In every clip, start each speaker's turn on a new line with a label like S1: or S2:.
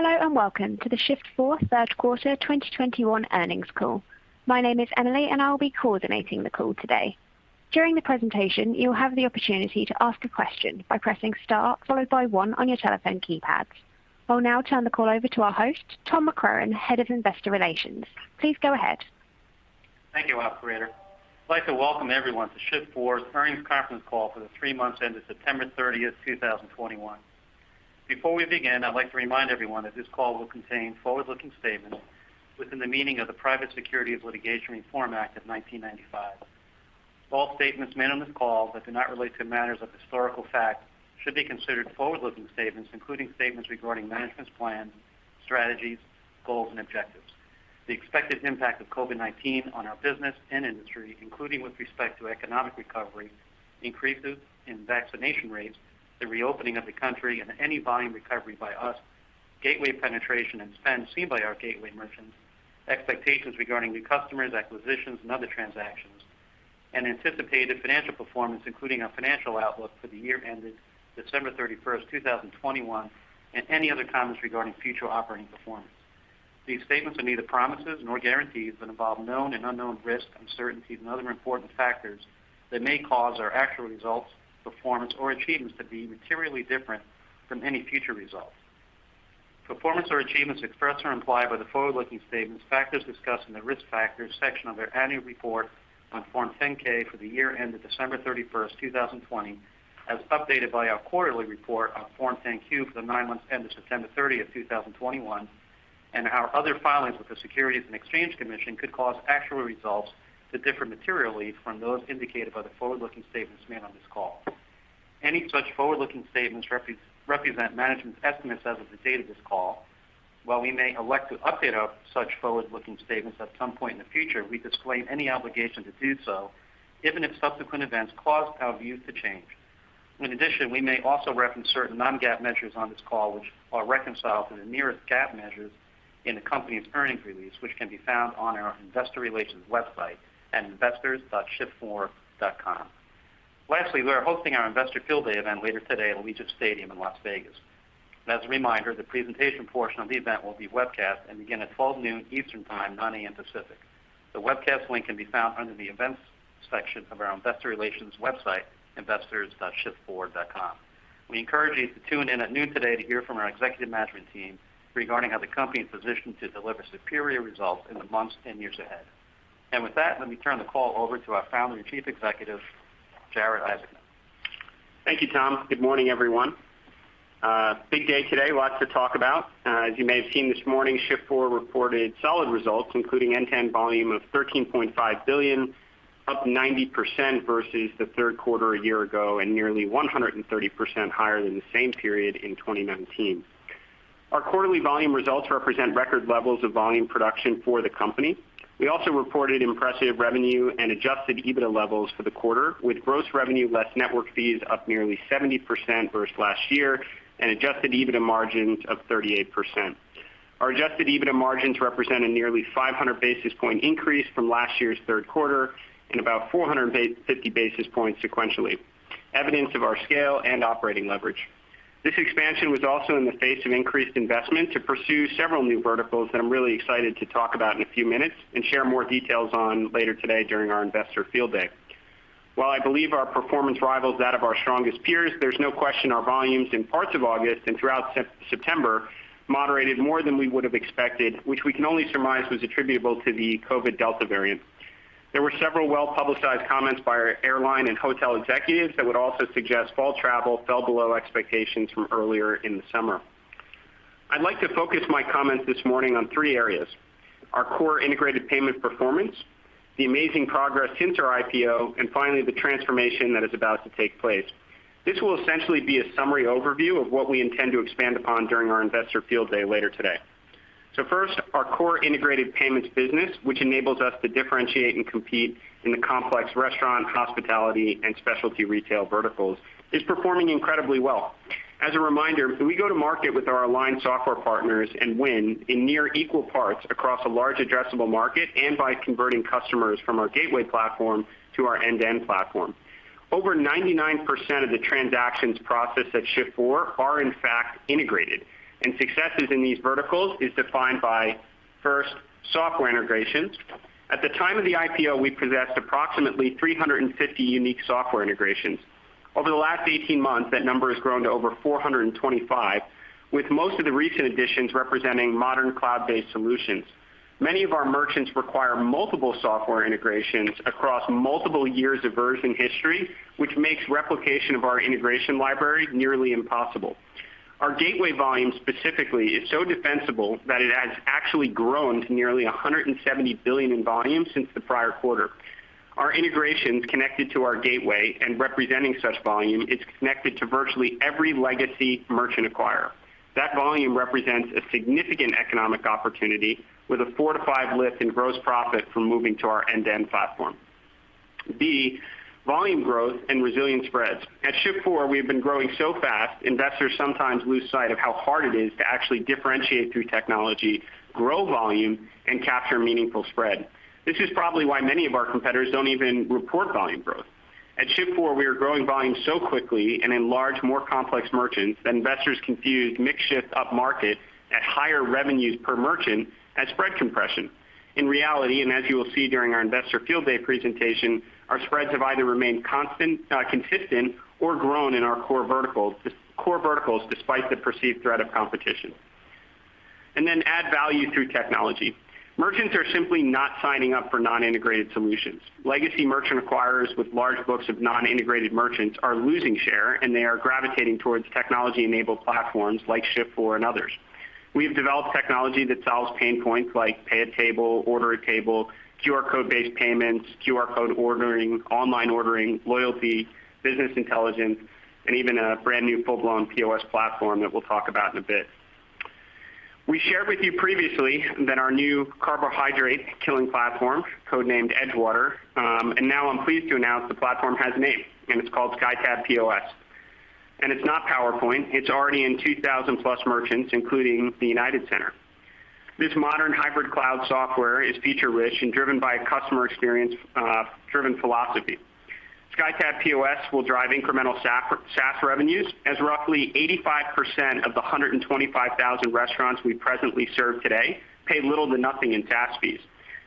S1: Hello, and welcome to the Shift4 Third Quarter 2021 Earnings Call. My name is Emily, and I'll be coordinating the call today. During the presentation, you'll have the opportunity to ask a question by pressing star followed by one on your telephone keypads. I'll now turn the call over to our host, Tom McCrohan, Head of Investor Relations. Please go ahead.
S2: Thank you, operator. I'd like to welcome everyone to Shift4's Earnings Conference Call for the Three Months Ended September 30th, 2021. Before we begin, I'd like to remind everyone that this call will contain forward-looking statements within the meaning of the Private Securities Litigation Reform Act of 1995. All statements made on this call that do not relate to matters of historical fact should be considered forward-looking statements, including statements regarding management's plans, strategies, goals, and objectives. The expected impact of COVID-19 on our business and industry, including with respect to economic recovery, increases in vaccination rates, the reopening of the country and any volume recovery by us, gateway penetration and spend seen by our gateway merchants, expectations regarding new customers, acquisitions and other transactions, and anticipated financial performance, including our financial outlook for the year ended December 31st, 2021, and any other comments regarding future operating performance. These statements are neither promises nor guarantees and involve known and unknown risks, uncertainties and other important factors that may cause our actual results, performance or achievements to be materially different from any future results. Performance or achievements expressed or implied by the forward-looking statements, factors discussed in the Risk Factors section of their annual report on Form 10-K for the year ended December 31st, 2020, as updated by our quarterly report on Form 10-Q for the nine months ended September 30th, 2021, and our other filings with the Securities and Exchange Commission could cause actual results to differ materially from those indicated by the forward-looking statements made on this call. Any such forward-looking statements represent management's estimates as of the date of this call. While we may elect to update our such forward-looking statements at some point in the future, we disclaim any obligation to do so, even if subsequent events cause our views to change. In addition, we may also reference certain non-GAAP measures on this call, which are reconciled to the nearest GAAP measures in the company's earnings release, which can be found on our investor relations website at investors.shift4.com. Lastly, we are hosting our Investor Field Day event later today at Allegiant Stadium in Las Vegas. As a reminder, the presentation portion of the event will be webcast and begin at 12:00 P.M. Eastern Time, 9:00 A.M. Pacific. The webcast link can be found under the Events section of our investor relations website, investors.shift4.com. We encourage you to tune in at noon today to hear from our executive management team regarding how the company is positioned to deliver superior results in the months and years ahead. With that, let me turn the call over to our Founder and Chief Executive, Jared Isaacman.
S3: Thank you, Tom. Good morning, everyone. Big day today. Lots to talk about. As you may have seen this morning, Shift4 reported solid results, including end-to-end volume of $13.5 billion, up 90% versus the third quarter a year ago, and nearly 130% higher than the same period in 2019. Our quarterly volume results represent record levels of volume production for the company. We also reported impressive revenue and adjusted EBITDA levels for the quarter, with gross revenue less network fees up nearly 70% versus last year, and adjusted EBITDA margins of 38%. Our adjusted EBITDA margins represent a nearly 500 basis point increase from last year's third quarter and about 450 basis points sequentially, evidence of our scale and operating leverage. This expansion was also in the face of increased investment to pursue several new verticals that I'm really excited to talk about in a few minutes and share more details on later today during our Investor Field Day. While I believe our performance rivals that of our strongest peers, there's no question our volumes in parts of August and throughout September moderated more than we would have expected, which we can only surmise was attributable to the COVID Delta variant. There were several well-publicized comments by our airline and hotel executives that would also suggest fall travel fell below expectations from earlier in the summer. I'd like to focus my comments this morning on three areas, our core integrated payment performance, the amazing progress since our IPO, and finally, the transformation that is about to take place. This will essentially be a summary overview of what we intend to expand upon during our Investor Field Day later today. First, our core integrated payments business, which enables us to differentiate and compete in the complex restaurant, hospitality and specialty retail verticals, is performing incredibly well. As a reminder, we go to market with our aligned software partners and win in near equal parts across a large addressable market and by converting customers from our gateway platform to our end-to-end platform. Over 99% of the transactions processed at Shift4 are in fact integrated, and successes in these verticals is defined by first software integrations. At the time of the IPO, we possessed approximately 350 unique software integrations. Over the last 18 months, that number has grown to over 425, with most of the recent additions representing modern cloud-based solutions. Many of our merchants require multiple software integrations across multiple years of version history, which makes replication of our integration library nearly impossible. Our gateway volume specifically is so defensible that it has actually grown to nearly $170 billion in volume since the prior quarter. Our integrations connected to our gateway and representing such volume is connected to virtually every legacy merchant acquirer. That volume represents a significant economic opportunity with a 4-5 lift in gross profit from moving to our end-to-end platform. B, volume growth and resilient spreads. At Shift4, we have been growing so fast, investors sometimes lose sight of how hard it is to actually differentiate through technology, grow volume, and capture meaningful spread. This is probably why many of our competitors don't even report volume growth. At Shift4, we are growing volume so quickly and in large, more complex merchants that investors confuse mix shift up-market at higher revenues per merchant as spread compression. In reality, and as you will see during our Investor Field Day presentation, our spreads have either remained constant, consistent or grown in our core verticals despite the perceived threat of competition. Add value through technology. Merchants are simply not signing up for non-integrated solutions. Legacy merchant acquirers with large books of non-integrated merchants are losing share, and they are gravitating towards technology-enabled platforms like Shift4 and others. We have developed technology that solves pain points like pay a table, order a table, QR code-based payments, QR code ordering, online ordering, loyalty, business intelligence, and even a brand-new full-blown POS platform that we'll talk about in a bit. We shared with you previously that our new carbohydrate killing platform, code-named Edgewater, and now I'm pleased to announce the platform has a name, and it's called SkyTab POS. It's not PowerPoint. It's already in 2,000+ merchants, including the United Center. This modern hybrid cloud software is feature-rich and driven by a customer experience driven philosophy. SkyTab POS will drive incremental SaaS revenues as roughly 85% of the 125,000 restaurants we presently serve today pay little to nothing in SaaS fees.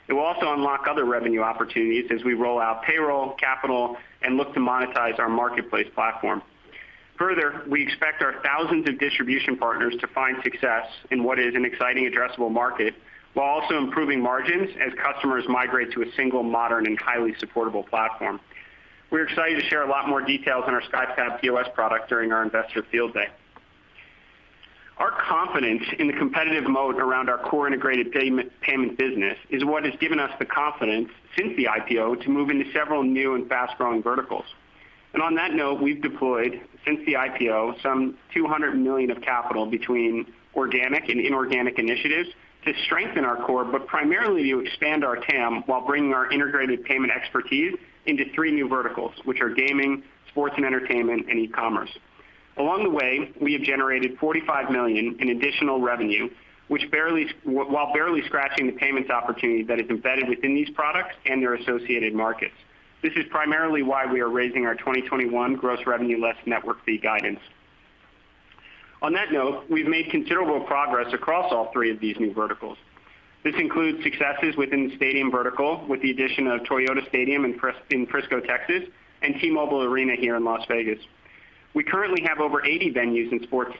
S3: It will also unlock other revenue opportunities as we roll out payroll, capital, and look to monetize our marketplace platform. Further, we expect our thousands of distribution partners to find success in what is an exciting addressable market while also improving margins as customers migrate to a single modern and highly supportable platform. We're excited to share a lot more details on our SkyTab POS product during our Investor Field Day. Our confidence in the competitive moat around our core integrated payments business is what has given us the confidence since the IPO to move into several new and fast-growing verticals. On that note, we've deployed since the IPO some $200 million of capital between organic and inorganic initiatives to strengthen our core, but primarily to expand our TAM while bringing our integrated payment expertise into three new verticals, which are gaming, sports and entertainment, and e-commerce. Along the way, we have generated $45 million in additional revenue, which, while barely scratching the payments opportunity that is embedded within these products and their associated markets. This is primarily why we are raising our 2021 gross revenue less network fee guidance. On that note, we've made considerable progress across all three of these new verticals. This includes successes within the stadium vertical with the addition of Toyota Stadium in Frisco, Texas, and T-Mobile Arena here in Las Vegas. We currently have over 80 venues and sports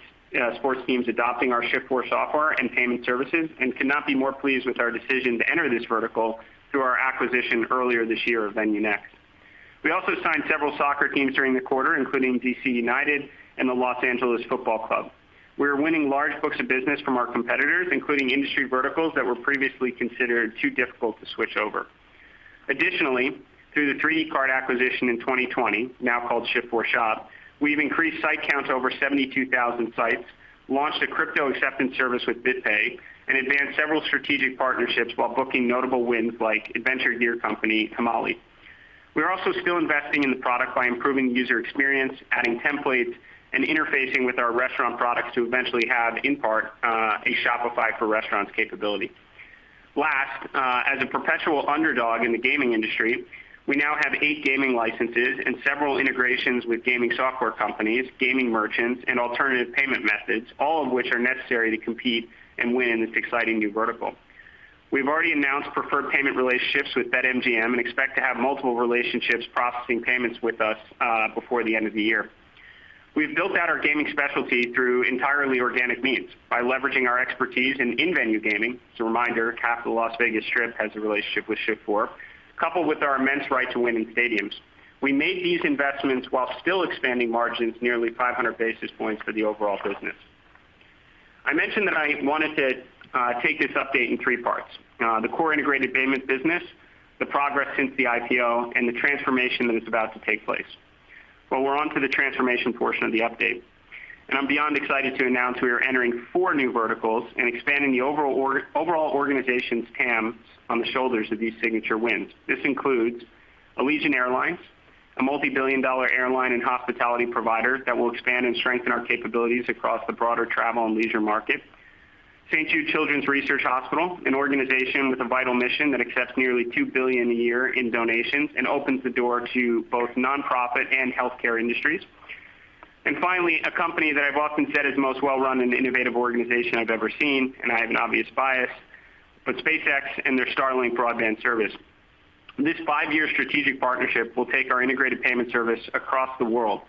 S3: teams adopting our Shift4 software and payment services and cannot be more pleased with our decision to enter this vertical through our acquisition earlier this year of VenueNext. We also signed several soccer teams during the quarter, including D.C. United and the Los Angeles Football Club. We're winning large books of business from our competitors, including industry verticals that were previously considered too difficult to switch over. Additionally, through the 3dcart acquisition in 2020, now called Shift4Shop, we've increased site count to over 72,000 sites, launched a crypto acceptance service with BitPay, and advanced several strategic partnerships while booking notable wins like adventure gear company, [Kamali]. We are also still investing in the product by improving user experience, adding templates, and interfacing with our restaurant products to eventually have, in part, a Shopify for restaurants capability. Last, as a perpetual underdog in the gaming industry, we now have eight gaming licenses and several integrations with gaming software companies, gaming merchants, and alternative payment methods, all of which are necessary to compete and win in this exciting new vertical. We've already announced preferred payment relationships with BetMGM and expect to have multiple relationships processing payments with us before the end of the year. We've built out our gaming specialty through entirely organic means by leveraging our expertise in in-venue gaming. As a reminder, [Capital] Las Vegas [Strip] has a relationship with Shift4, coupled with our immense right to win in stadiums. We made these investments while still expanding margins nearly 500 basis points for the overall business. I mentioned that I wanted to take this update in three parts, the core integrated payment business, the progress since the IPO, and the transformation that is about to take place. Well, we're onto the transformation portion of the update, and I'm beyond excited to announce we are entering four new verticals and expanding the overall organization's TAM on the shoulders of these signature wins. This includes Allegiant Airlines, a multi-billion dollar airline and hospitality provider that will expand and strengthen our capabilities across the broader travel and leisure market. St. Jude Children's Research Hospital, an organization with a vital mission that accepts nearly $2 billion a year in donations and opens the door to both nonprofit and healthcare industries. Finally, a company that I've often said is the most well-run and innovative organization I've ever seen, and I have an obvious bias, but SpaceX and their Starlink broadband service. This five-year strategic partnership will take our integrated payment service across the world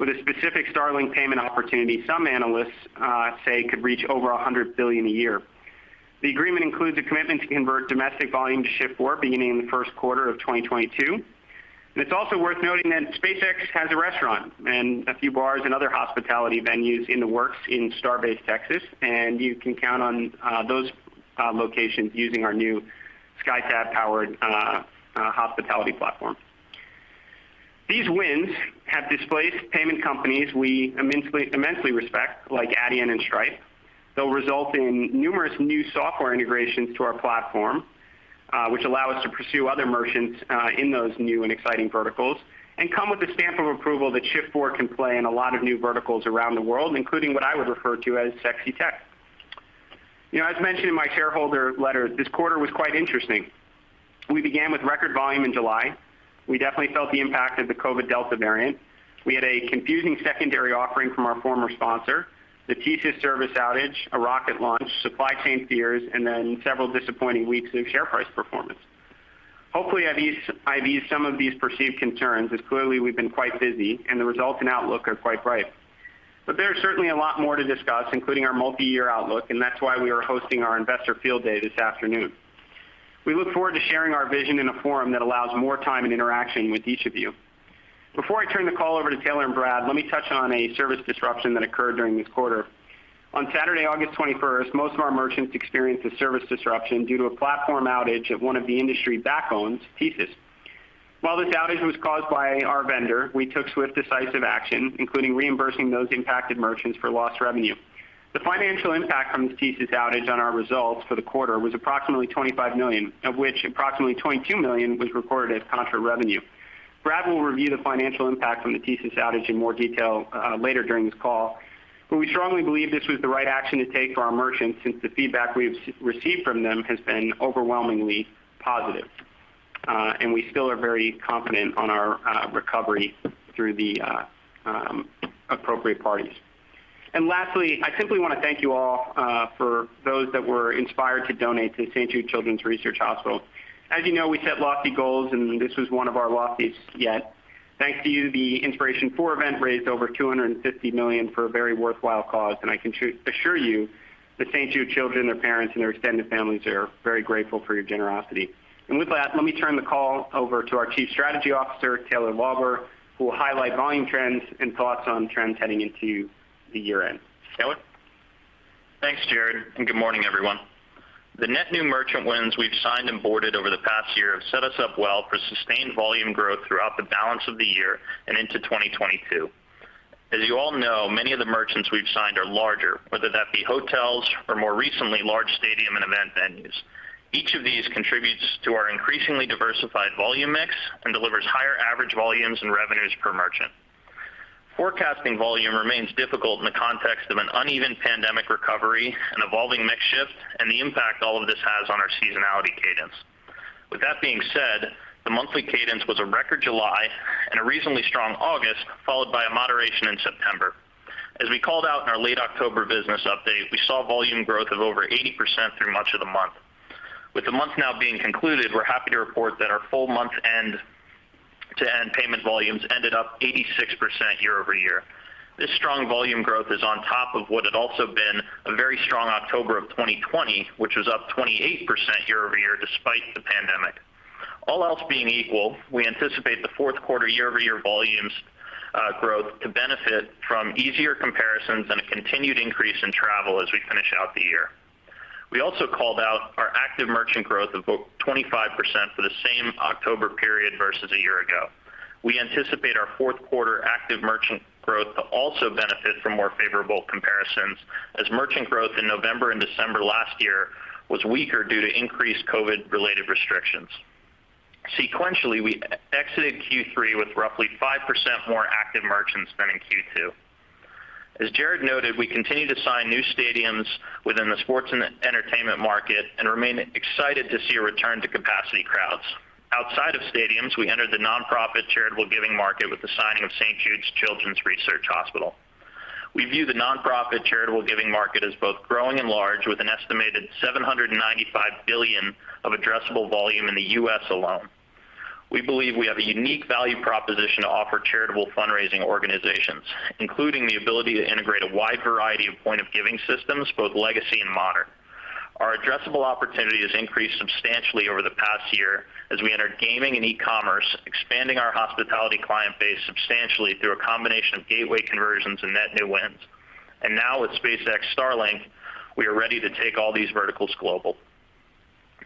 S3: with a specific Starlink payment opportunity some analysts say could reach over $100 billion a year. The agreement includes a commitment to convert domestic volume to Shift4 beginning in the first quarter of 2022. It's also worth noting that SpaceX has a restaurant and a few bars and other hospitality venues in the works in Starbase Texas, and you can count on those locations using our new SkyTab-powered hospitality platform. These wins have displaced payment companies we immensely respect, like Adyen and Stripe. They'll result in numerous new software integrations to our platform, which allow us to pursue other merchants in those new and exciting verticals, and come with the stamp of approval that Shift4 can play in a lot of new verticals around the world, including what I would refer to as sexy tech. You know, as mentioned in my shareholder letter, this quarter was quite interesting. We began with record volume in July. We definitely felt the impact of the COVID Delta variant. We had a confusing secondary offering from our former sponsor, the TSYS service outage, a rocket launch, supply chain fears, and then several disappointing weeks of share price performance. Hopefully, I've eased some of these perceived concerns as clearly we've been quite busy, and the results and outlook are quite bright. There's certainly a lot more to discuss, including our multi-year outlook, and that's why we are hosting our Investor Field Day this afternoon. We look forward to sharing our vision in a forum that allows more time and interaction with each of you. Before I turn the call over to Taylor and Brad, let me touch on a service disruption that occurred during this quarter. On Saturday, August 21st, most of our merchants experienced a service disruption due to a platform outage at one of the industry backbones, TSYS. While this outage was caused by our vendor, we took swift, decisive action, including reimbursing those impacted merchants for lost revenue. The financial impact from this TSYS outage on our results for the quarter was approximately $25 million, of which approximately $22 million was recorded as contra revenue. Brad will review the financial impact from the TSYS outage in more detail later during this call. We strongly believe this was the right action to take for our merchants, since the feedback we've received from them has been overwhelmingly positive. We still are very confident on our recovery through the appropriate parties. Lastly, I simply wanna thank you all for those that were inspired to donate to St. Jude Children's Research Hospital. As you know, we set lofty goals, and this was one of our loftiest yet. Thanks to you, the Inspiration4 event raised over $250 million for a very worthwhile cause, and I can assure you that St. Jude children, their parents, and their extended families are very grateful for your generosity. With that, let me turn the call over to our Chief Strategy Officer, Taylor Lauber, who will highlight volume trends and thoughts on trends heading into the year-end. Taylor?
S4: Thanks, Jared, and good morning, everyone. The net new merchant wins we've signed and boarded over the past year have set us up well for sustained volume growth throughout the balance of the year and into 2022. As you all know, many of the merchants we've signed are larger, whether that be hotels or more recently, large stadium and event venues. Each of these contributes to our increasingly diversified volume mix and delivers higher average volumes and revenues per merchant. Forecasting volume remains difficult in the context of an uneven pandemic recovery, an evolving mix shift, and the impact all of this has on our seasonality cadence. With that being said, the monthly cadence was a record July and a reasonably strong August, followed by a moderation in September. As we called out in our late October business update, we saw volume growth of over 80% through much of the month. With the month now being concluded, we're happy to report that our full month-end-to-end payment volumes ended up 86% year-over-year. This strong volume growth is on top of what had also been a very strong October of 2020, which was up 28% year-over-year despite the pandemic. All else being equal, we anticipate the fourth quarter year-over-year volumes growth to benefit from easier comparisons and a continued increase in travel as we finish out the year. We also called out our active merchant growth of about 25% for the same October period versus a year ago. We anticipate our fourth quarter active merchant growth to also benefit from more favorable comparisons as merchant growth in November and December last year was weaker due to increased COVID-related restrictions. Sequentially, we exited Q3 with roughly 5% more active merchants than in Q2. As Jared noted, we continue to sign new stadiums within the sports and entertainment market and remain excited to see a return to capacity crowds. Outside of stadiums, we entered the nonprofit charitable giving market with the signing of St. Jude Children's Research Hospital. We view the nonprofit charitable giving market as both growing and large, with an estimated $795 billion of addressable volume in the U.S. alone. We believe we have a unique value proposition to offer charitable fundraising organizations, including the ability to integrate a wide variety of point of giving systems, both legacy and modern. Our addressable opportunity has increased substantially over the past year as we entered gaming and e-commerce, expanding our hospitality client base substantially through a combination of gateway conversions and net new wins. Now with SpaceX Starlink, we are ready to take all these verticals global.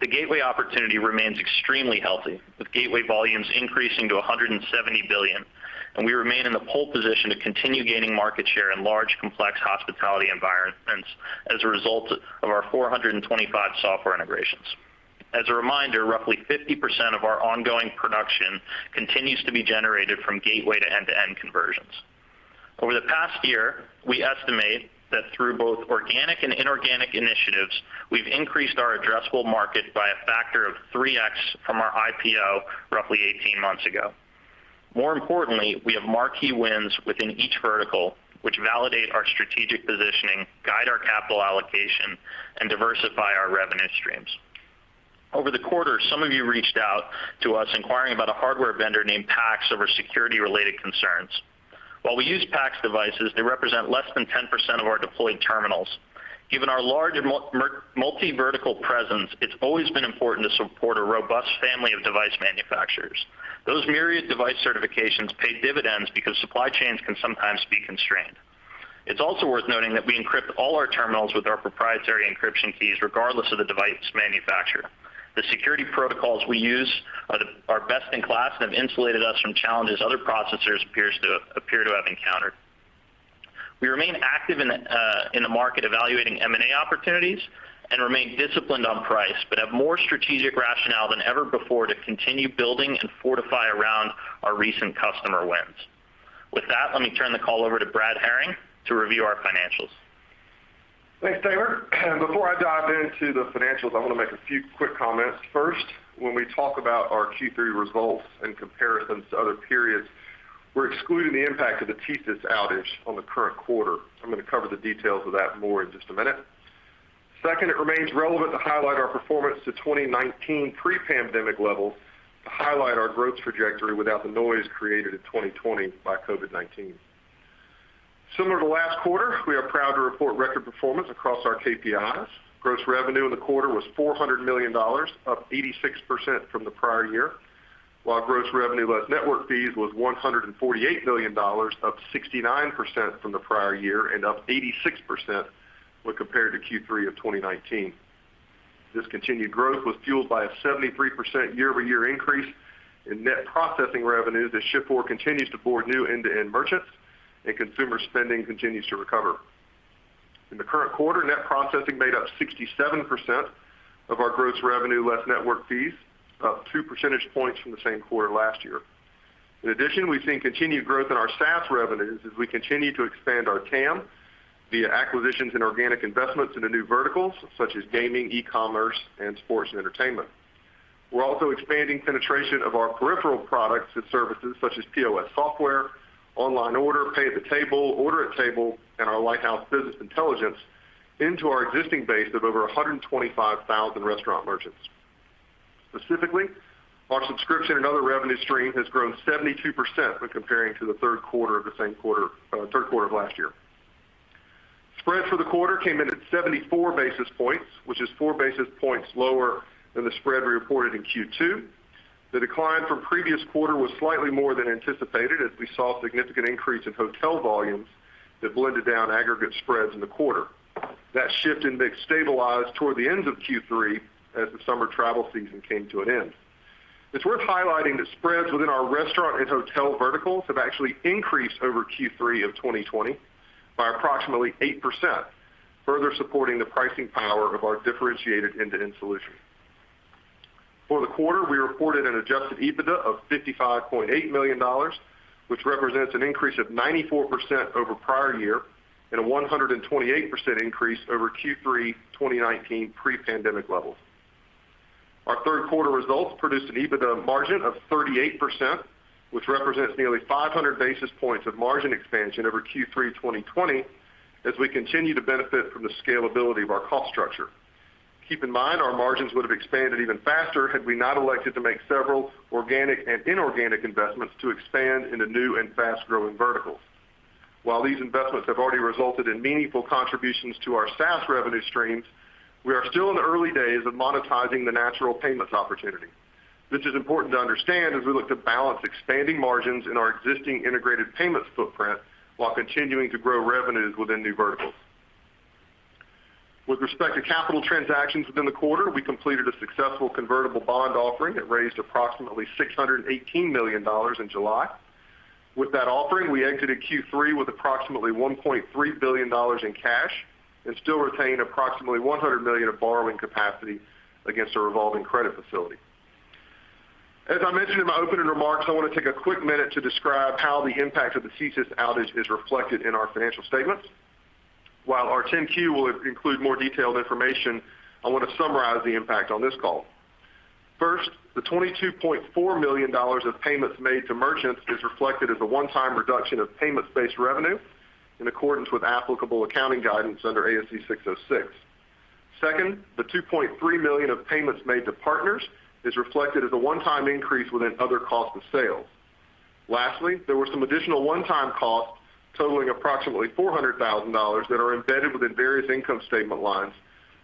S4: The gateway opportunity remains extremely healthy, with gateway volumes increasing to $170 billion, and we remain in the pole position to continue gaining market share in large, complex hospitality environments as a result of our 425 software integrations. As a reminder, roughly 50% of our ongoing production continues to be generated from gateway to end-to-end conversions. Over the past year, we estimate that through both organic and inorganic initiatives, we've increased our addressable market by a factor of 3x from our IPO roughly 18 months ago. More importantly, we have marquee wins within each vertical, which validate our strategic positioning, guide our capital allocation, and diversify our revenue streams. Over the quarter, some of you reached out to us inquiring about a hardware vendor named PAX over security-related concerns. While we use PAX devices, they represent less than 10% of our deployed terminals. Given our large multivertical presence, it's always been important to support a robust family of device manufacturers. Those myriad device certifications pay dividends because supply chains can sometimes be constrained. It's also worth noting that we encrypt all our terminals with our proprietary encryption keys regardless of the device manufacturer. The security protocols we use are best in class and have insulated us from challenges other processors appear to have encountered. We remain active in the market evaluating M&A opportunities and remain disciplined on price, but have more strategic rationale than ever before to continue building and fortify around our recent customer wins. With that, let me turn the call over to Brad Herring to review our financials.
S5: Thanks, Taylor. Before I dive into the financials, I want to make a few quick comments. First, when we talk about our Q3 results in comparison to other periods, we're excluding the impact of the TSYS outage on the current quarter. I'm gonna cover the details of that more in just a minute. Second, it remains relevant to highlight our performance to 2019 pre-pandemic levels to highlight our growth trajectory without the noise created in 2020 by COVID-19. Similar to last quarter, we are proud to report record performance across our KPIs. Gross revenue in the quarter was $400 million, up 86% from the prior year, while gross revenue less network fees was $148 million, up 69% from the prior year and up 86% when compared to Q3 of 2019. This continued growth was fueled by a 73% year-over-year increase in net processing revenue as Shift4 continues to board new end-to-end merchants and consumer spending continues to recover. In the current quarter, net processing made up 67% of our gross revenue less network fees, up two percentage points from the same quarter last year. In addition, we've seen continued growth in our SaaS revenues as we continue to expand our TAM via acquisitions and organic investments into new verticals such as gaming, e-commerce, and sports and entertainment. We're also expanding penetration of our peripheral products and services such as POS software, online order, pay at the table, order at table, and our Lighthouse business intelligence into our existing base of over 125,000 restaurant merchants. Specifically, our subscription and other revenue stream has grown 72% when comparing to the third quarter of last year. Spread for the quarter came in at 74 basis points, which is four basis points lower than the spread we reported in Q2. The decline from previous quarter was slightly more than anticipated as we saw a significant increase in hotel volumes that blended down aggregate spreads in the quarter. That shift in mix stabilized toward the end of Q3 as the summer travel season came to an end. It's worth highlighting that spreads within our restaurant and hotel verticals have actually increased over Q3 of 2020 by approximately 8%, further supporting the pricing power of our differentiated end-to-end solution. For the quarter, we reported an adjusted EBITDA of $55.8 million, which represents an increase of 94% over prior year and a 128% increase over Q3 2019 pre-pandemic levels. Our third quarter results produced an EBITDA margin of 38%, which represents nearly 500 basis points of margin expansion over Q3 2020 as we continue to benefit from the scalability of our cost structure. Keep in mind, our margins would have expanded even faster had we not elected to make several organic and inorganic investments to expand into new and fast-growing verticals. While these investments have already resulted in meaningful contributions to our SaaS revenue streams, we are still in the early days of monetizing the natural payments opportunity, which is important to understand as we look to balance expanding margins in our existing integrated payments footprint while continuing to grow revenues within new verticals. With respect to capital transactions within the quarter, we completed a successful convertible bond offering that raised approximately $618 million in July. With that offering, we exited Q3 with approximately $1.3 billion in cash and still retain approximately $100 million of borrowing capacity against a revolving credit facility. As I mentioned in my opening remarks, I want to take a quick minute to describe how the impact of the TSYS outage is reflected in our financial statements. While our 10-Q will include more detailed information, I want to summarize the impact on this call. First, the $22.4 million of payments made to merchants is reflected as a one-time reduction of payments-based revenue in accordance with applicable accounting guidance under ASC 606. Second, the $2.3 million of payments made to partners is reflected as a one-time increase within other cost of sales. Lastly, there were some additional one-time costs totaling approximately $400,000 that are embedded within various income statement lines,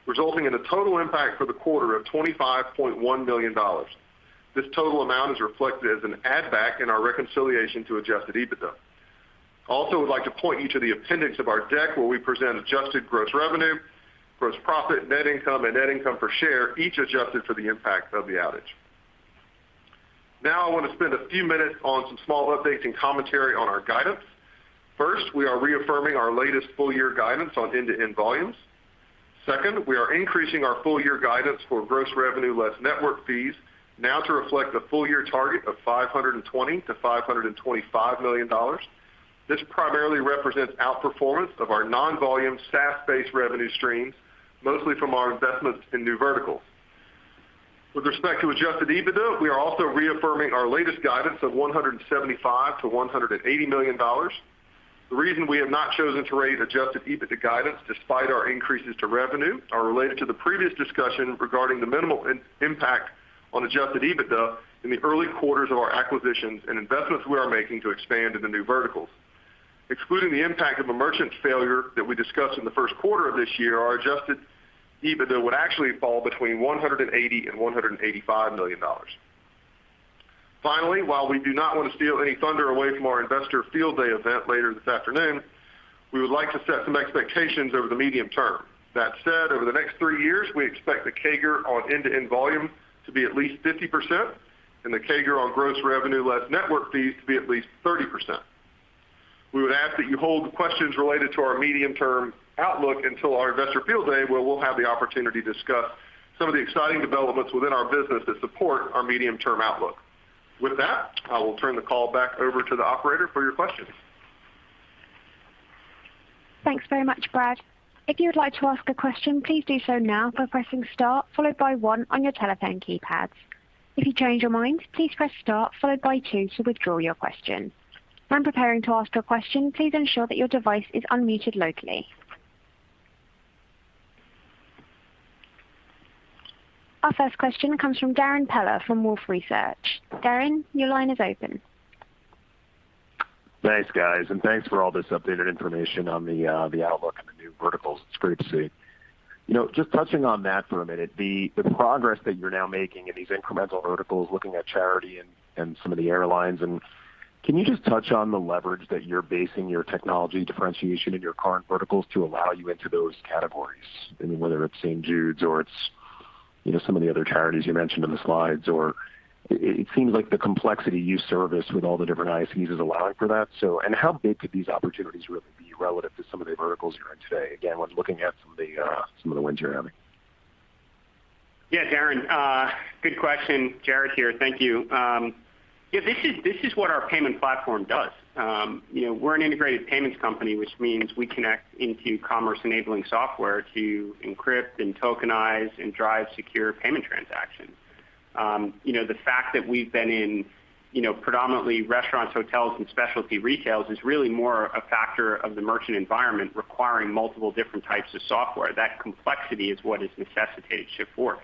S5: resulting in a total impact for the quarter of $25.1 million. This total amount is reflected as an add back in our reconciliation to adjusted EBITDA. I also would like to point you to the appendix of our deck where we present adjusted gross revenue, gross profit, net income, and net income per share, each adjusted for the impact of the outage. Now, I want to spend a few minutes on some small updates and commentary on our guidance. First, we are reaffirming our latest full year guidance on end-to-end volumes. Second, we are increasing our full year guidance for gross revenue less network fees now to reflect a full year target of $520 million-$525 million. This primarily represents outperformance of our non-volume SaaS-based revenue streams, mostly from our investments in new verticals. With respect to adjusted EBITDA, we are also reaffirming our latest guidance of $175 million-$180 million. The reason we have not chosen to raise adjusted EBITDA guidance despite our increases to revenue are related to the previous discussion regarding the minimal impact on adjusted EBITDA in the early quarters of our acquisitions and investments we are making to expand into new verticals. Excluding the impact of a merchant failure that we discussed in the first quarter of this year, our adjusted EBITDA would actually fall between $180 million and $185 million. Finally, while we do not want to steal any thunder away from our Investor Field Day event later this afternoon, we would like to set some expectations over the medium term. That said, over the next three years, we expect the CAGR on end-to-end volume to be at least 50% and the CAGR on gross revenue less network fees to be at least 30%. We would ask that you hold questions related to our medium-term outlook until our Investor Field Day, where we'll have the opportunity to discuss some of the exciting developments within our business that support our medium-term outlook. With that, I will turn the call back over to the operator for your questions.
S1: Thanks very much, Brad. If you would like to ask a question, please do so now by pressing star followed by one on your telephone keypads. If you change your mind, please press star followed by two to withdraw your question. When preparing to ask your question, please ensure that your device is unmuted locally. Our first question comes from Darrin Peller from Wolfe Research. Darrin, your line is open.
S6: Thanks, guys, and thanks for all this updated information on the outlook and the new verticals. It's great to see. You know, just touching on that for a minute, the progress that you're now making in these incremental verticals, looking at charity and some of the airlines, and can you just touch on the leverage that you're basing your technology differentiation in your current verticals to allow you into those categories? I mean, whether it's St. Jude or it's, you know, some of the other charities you mentioned in the slides, or it seems like the complexity you service with all the different ISVs is allowing for that. How big could these opportunities really be relative to some of the verticals you're in today? Again, when looking at some of the wins you're having.
S3: Yeah, Darren, good question. Jared here. Thank you. Yeah, this is what our payment platform does. You know, we're an integrated payments company, which means we connect into commerce-enabling software to encrypt and tokenize and drive secure payment transactions. You know, the fact that we've been in, you know, predominantly restaurants, hotels, and specialty retail is really more a factor of the merchant environment requiring multiple different types of software. That complexity is what has necessitated Shift4.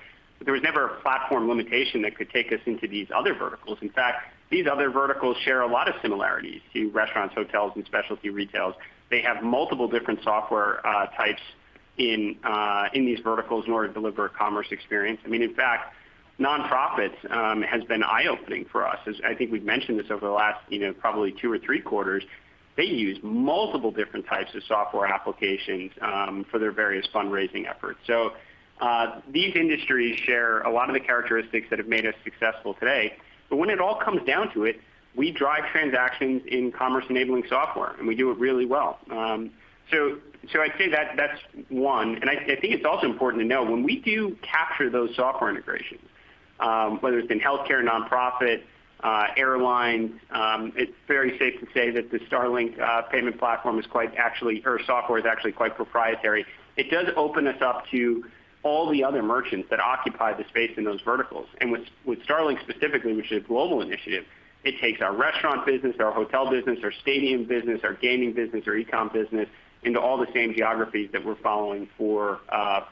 S3: There was never a platform limitation that could take us into these other verticals. In fact, these other verticals share a lot of similarities to restaurants, hotels, and specialty retail. They have multiple different software types in these verticals in order to deliver a commerce experience. I mean, in fact, nonprofits has been eye-opening for us. As I think we've mentioned this over the last, you know, probably two or three quarters, they use multiple different types of software applications for their various fundraising efforts. These industries share a lot of the characteristics that have made us successful today. When it all comes down to it, we drive transactions in commerce-enabling software, and we do it really well. I'd say that's one. I think it's also important to know when we do capture those software integrations, whether it's in healthcare, nonprofit, airline, it's very safe to say that the Shift4 payment platform is quite actually or software is actually quite proprietary. It does open us up to all the other merchants that occupy the space in those verticals. With Starlink specifically, which is a global initiative, it takes our restaurant business, our hotel business, our stadium business, our gaming business, our e-com business into all the same geographies that we're following for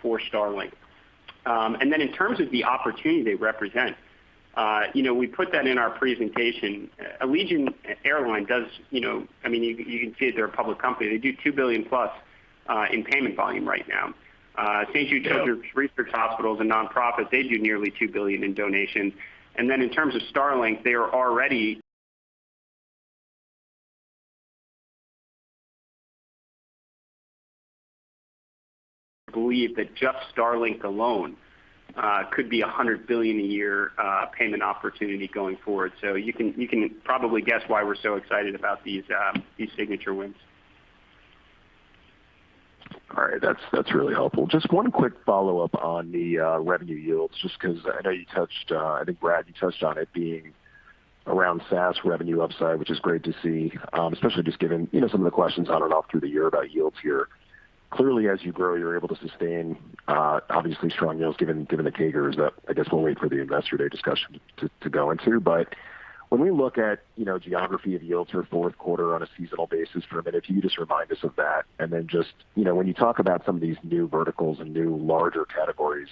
S3: Starlink. In terms of the opportunity they represent, you know, we put that in our presentation. Allegiant Airlines does, you know. I mean, you can see it, they're a public company. They do $2 billion+ in payment volume right now. St. Jude Children's Research Hospital and nonprofits, they do nearly $2 billion in donations. In terms of Starlink, we believe that just Starlink alone could be $100 billion a year payment opportunity going forward. You can probably guess why we're so excited about these signature wins.
S6: All right. That's really helpful. Just one quick follow-up on the revenue yields, just because I know you touched, I think, Brad, you touched on it being around SaaS revenue upside, which is great to see, especially just given, you know, some of the questions on and off through the year about yields here. Clearly, as you grow, you're able to sustain obviously strong yields given the cadence that I guess we'll wait for the Investor Day discussion to go into. But when we look at, you know, geography of yields for fourth quarter on a seasonal basis for a minute, can you just remind us of that? And then just, you know, when you talk about some of these new verticals and new larger categories,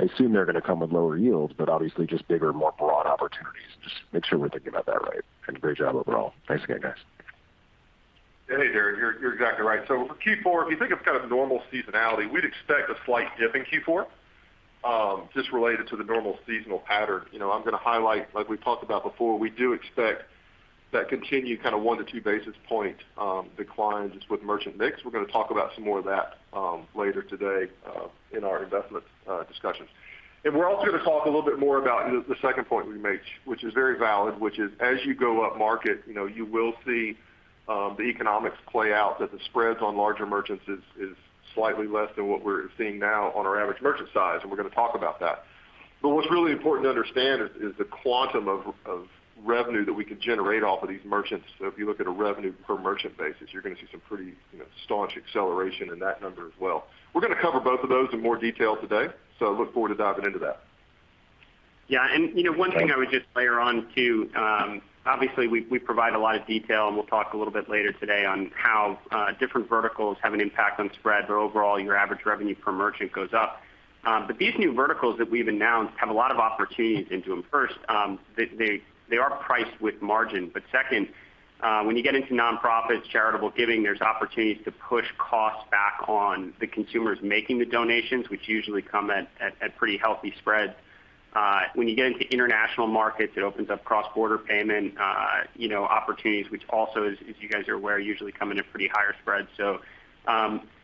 S6: I assume they're gonna come with lower yields, but obviously just bigger and more broad opportunities. Just make sure we're thinking about that right, and great job overall. Thanks again, guys.
S5: Hey, Darren, you're exactly right. For Q4, if you think of kind of normal seasonality, we'd expect a slight dip in Q4 just related to the normal seasonal pattern. You know, I'm gonna highlight, like we talked about before, we do expect that continued kind of one to two basis points decline just with merchant mix. We're gonna talk about some more of that later today in our investor discussions. We're also gonna talk a little bit more about the second point we made, which is very valid, which is as you go up market, you know, you will see the economics play out that the spreads on larger merchants is slightly less than what we're seeing now on our average merchant size, and we're gonna talk about that. What's really important to understand is the quantum of revenue that we can generate off of these merchants. If you look at a revenue per merchant basis, you're gonna see some pretty, you know, staunch acceleration in that number as well. We're gonna cover both of those in more detail today, so look forward to diving into that.
S3: Yeah. You know, one thing I would just layer on, too. Obviously we provide a lot of detail, and we'll talk a little bit later today on how different verticals have an impact on spread, but overall your average revenue per merchant goes up. These new verticals that we've announced have a lot of opportunities into them. First, they are priced with margin, but second, when you get into nonprofits, charitable giving, there's opportunities to push costs back on the consumers making the donations, which usually come at pretty healthy spreads. When you get into international markets, it opens up cross-border payment opportunities, which also, as you guys are aware, usually come at a pretty higher spread.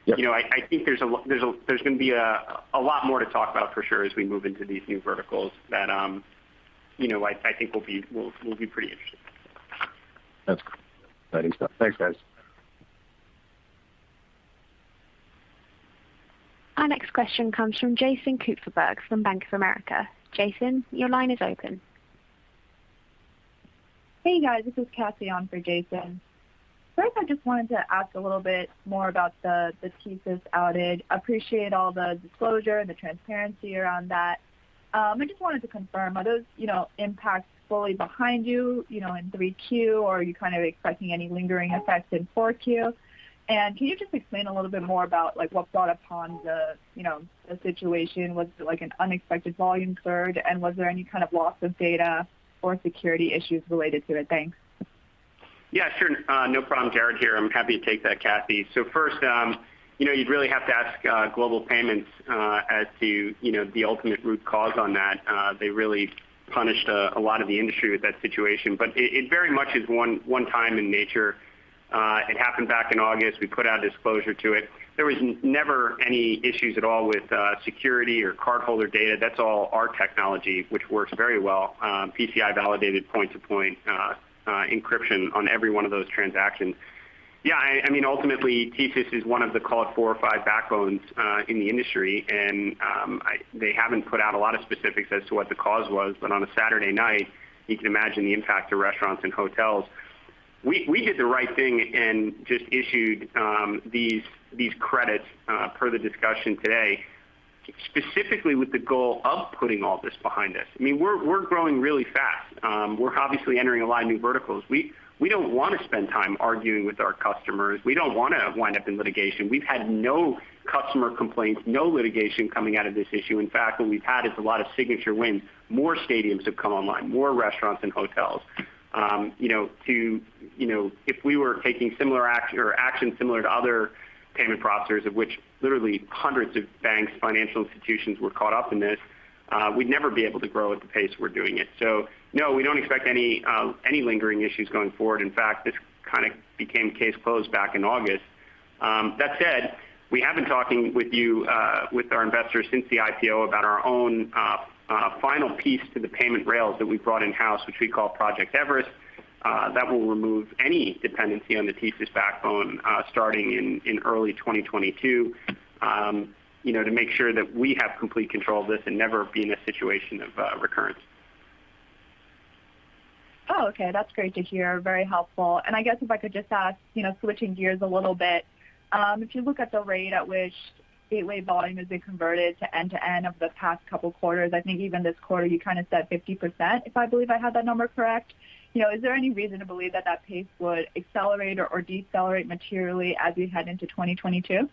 S3: You know, I think there's gonna be a lot more to talk about for sure as we move into these new verticals that. You know, I think we'll be pretty interested.
S6: That's exciting stuff. Thanks, guys.
S1: Our next question comes from Jason Kupferberg from Bank of America. Jason, your line is open.
S7: Hey, guys, this is Cathy on for Jason. First, I just wanted to ask a little bit more about the TSYS outage. Appreciate all the disclosure and the transparency around that. I just wanted to confirm, are those, you know, impacts fully behind you know, in 3Q, or are you kind of expecting any lingering effects in 4Q? Can you just explain a little bit more about like what brought upon the, you know, the situation? Was it like an unexpected volume surge? Was there any kind of loss of data or security issues related to it? Thanks.
S3: Yeah, sure. No problem. Jared here. I'm happy to take that, Cathy. First, you know, you'd really have to ask Global Payments as to, you know, the ultimate root cause on that. They really punished a lot of the industry with that situation. It very much is one time in nature. It happened back in August. We put out a disclosure to it. There was never any issues at all with security or cardholder data. That's all our technology, which works very well, PCI validated point-to-point encryption on every one of those transactions. Yeah, I mean, ultimately, TSYS is one of the call it four or five backbones in the industry. They haven't put out a lot of specifics as to what the cause was. On a Saturday night, you can imagine the impact to restaurants and hotels. We did the right thing and just issued these credits per the discussion today, specifically with the goal of putting all this behind us. I mean, we're growing really fast. We're obviously entering a lot of new verticals. We don't wanna spend time arguing with our customers. We don't wanna wind up in litigation. We've had no customer complaints, no litigation coming out of this issue. In fact, what we've had is a lot of signature wins. More stadiums have come online, more restaurants and hotels. You know, if we were taking similar actions similar to other payment processors of which literally hundreds of banks, financial institutions were caught up in this, we'd never be able to grow at the pace we're doing it. So no, we don't expect any lingering issues going forward. In fact, this kind of became case closed back in August. That said, we have been talking with you, with our investors since the IPO about our own final piece to the payment rails that we brought in-house, which we call Project [Everest], that will remove any dependency on the TSYS backbone, starting in early 2022, you know, to make sure that we have complete control of this and never be in a situation of recurrence.
S7: Oh, okay. That's great to hear. Very helpful. I guess if I could just ask, you know, switching gears a little bit, if you look at the rate at which gateway volume has been converted to end-to-end over the past couple quarters, I think even this quarter you kind of said 50%, if I believe I have that number correct. You know, is there any reason to believe that that pace would accelerate or decelerate materially as we head into 2022?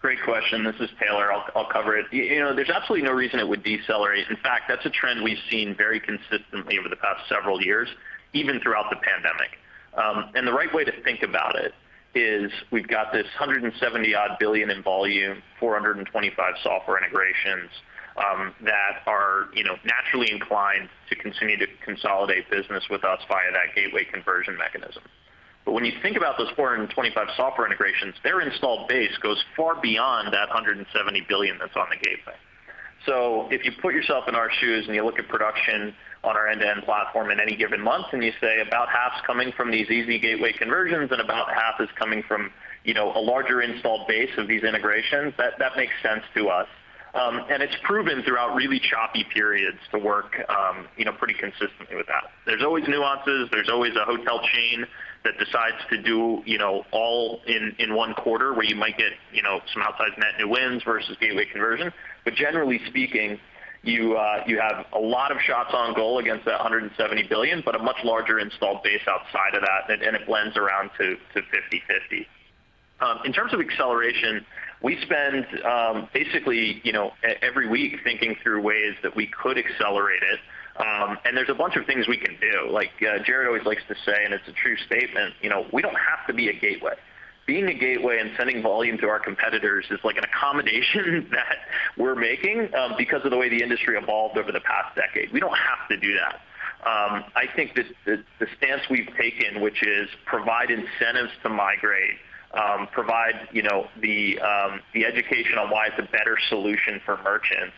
S4: Great question. This is Taylor. I'll cover it. You know, there's absolutely no reason it would decelerate. In fact, that's a trend we've seen very consistently over the past several years, even throughout the pandemic. The right way to think about it is we've got this $170-odd billion in volume, 425 software integrations that are, you know, naturally inclined to continue to consolidate business with us via that gateway conversion mechanism. When you think about those 425 software integrations, their installed base goes far beyond that $170 billion that's on the gateway. If you put yourself in our shoes and you look at production on our end-to-end platform in any given month, and you say about half's coming from these easy gateway conversions and about half is coming from, you know, a larger installed base of these integrations, that makes sense to us. It's proven throughout really choppy periods to work, you know, pretty consistently with that. There's always nuances. There's always a hotel chain that decides to do, you know, all in one quarter where you might get, you know, some outsized net new wins versus gateway conversion. Generally speaking, you have a lot of shots on goal against that $170 billion, but a much larger installed base outside of that, and it blends around to 50/50. In terms of acceleration, we spend, basically, you know, every week thinking through ways that we could accelerate it. There's a bunch of things we can do. Like, Jared always likes to say, and it's a true statement, you know, we don't have to be a gateway. Being a gateway and sending volume to our competitors is like an accommodation that we're making, because of the way the industry evolved over the past decade. We don't have to do that. I think the stance we've taken, which is provide incentives to migrate, provide, you know, the education on why it's a better solution for merchants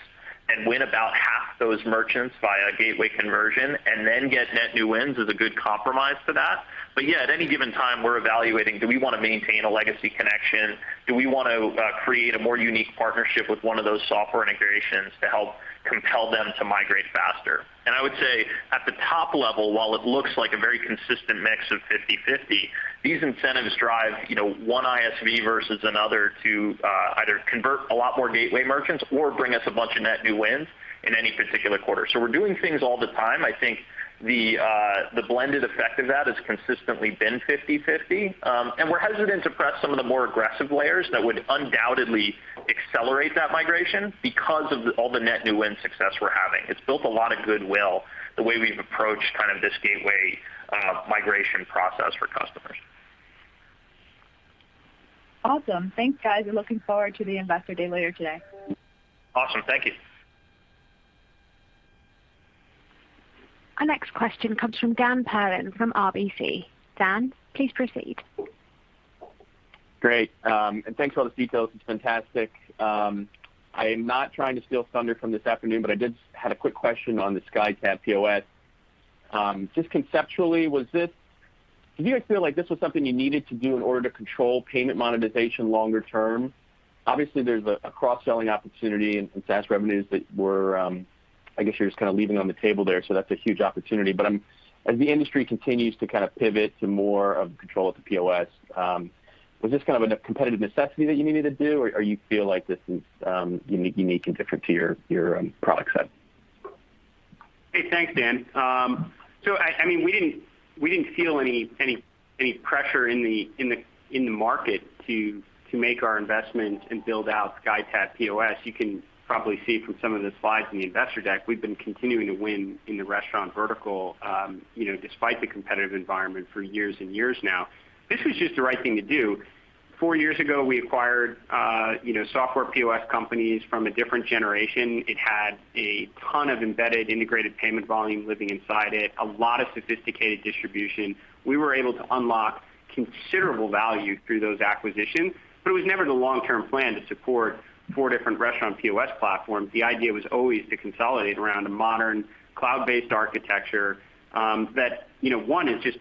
S4: and win about half those merchants via gateway conversion and then get net new wins is a good compromise to that. Yeah, at any given time we're evaluating, do we wanna maintain a legacy connection? Do we want to create a more unique partnership with one of those software integrations to help compel them to migrate faster? I would say at the top level, while it looks like a very consistent mix of 50/50, these incentives drive, you know, one ISV versus another to either convert a lot more gateway merchants or bring us a bunch of net new wins in any particular quarter. We're doing things all the time. I think the blended effect of that has consistently been 50/50. We're hesitant to press some of the more aggressive layers that would undoubtedly accelerate that migration because of all the net new win success we're having. It's built a lot of goodwill the way we've approached kind of this gateway, migration process for customers.
S7: Awesome. Thanks, guys. We're looking forward to the Investor Day later today.
S4: Awesome. Thank you.
S1: Our next question comes from Dan Perlin from RBC. Dan, please proceed.
S8: Great. Thanks for all the details. It's fantastic. I'm not trying to steal thunder from this afternoon, but I had a quick question on the SkyTab POS. Just conceptually, did you guys feel like this was something you needed to do in order to control payment monetization longer term? Obviously, there's a cross-selling opportunity and SaaS revenues that I guess you're just kind of leaving on the table there, so that's a huge opportunity. As the industry continues to kind of pivot to more control of the POS, was this kind of a competitive necessity that you needed to do, or you feel like this is unique and different to your product set?
S3: Hey, thanks, Dan. So I mean, we didn't feel any pressure in the market to make our investment and build out SkyTab POS. You can probably see from some of the slides in the investor deck, we've been continuing to win in the restaurant vertical, you know, despite the competitive environment for years and years now. This was just the right thing to do. Four years ago, we acquired, you know, software POS companies from a different generation. It had a ton of embedded integrated payment volume living inside it, a lot of sophisticated distribution. We were able to unlock considerable value through those acquisitions, but it was never the long-term plan to support four different restaurant POS platforms. The idea was always to consolidate around a modern cloud-based architecture that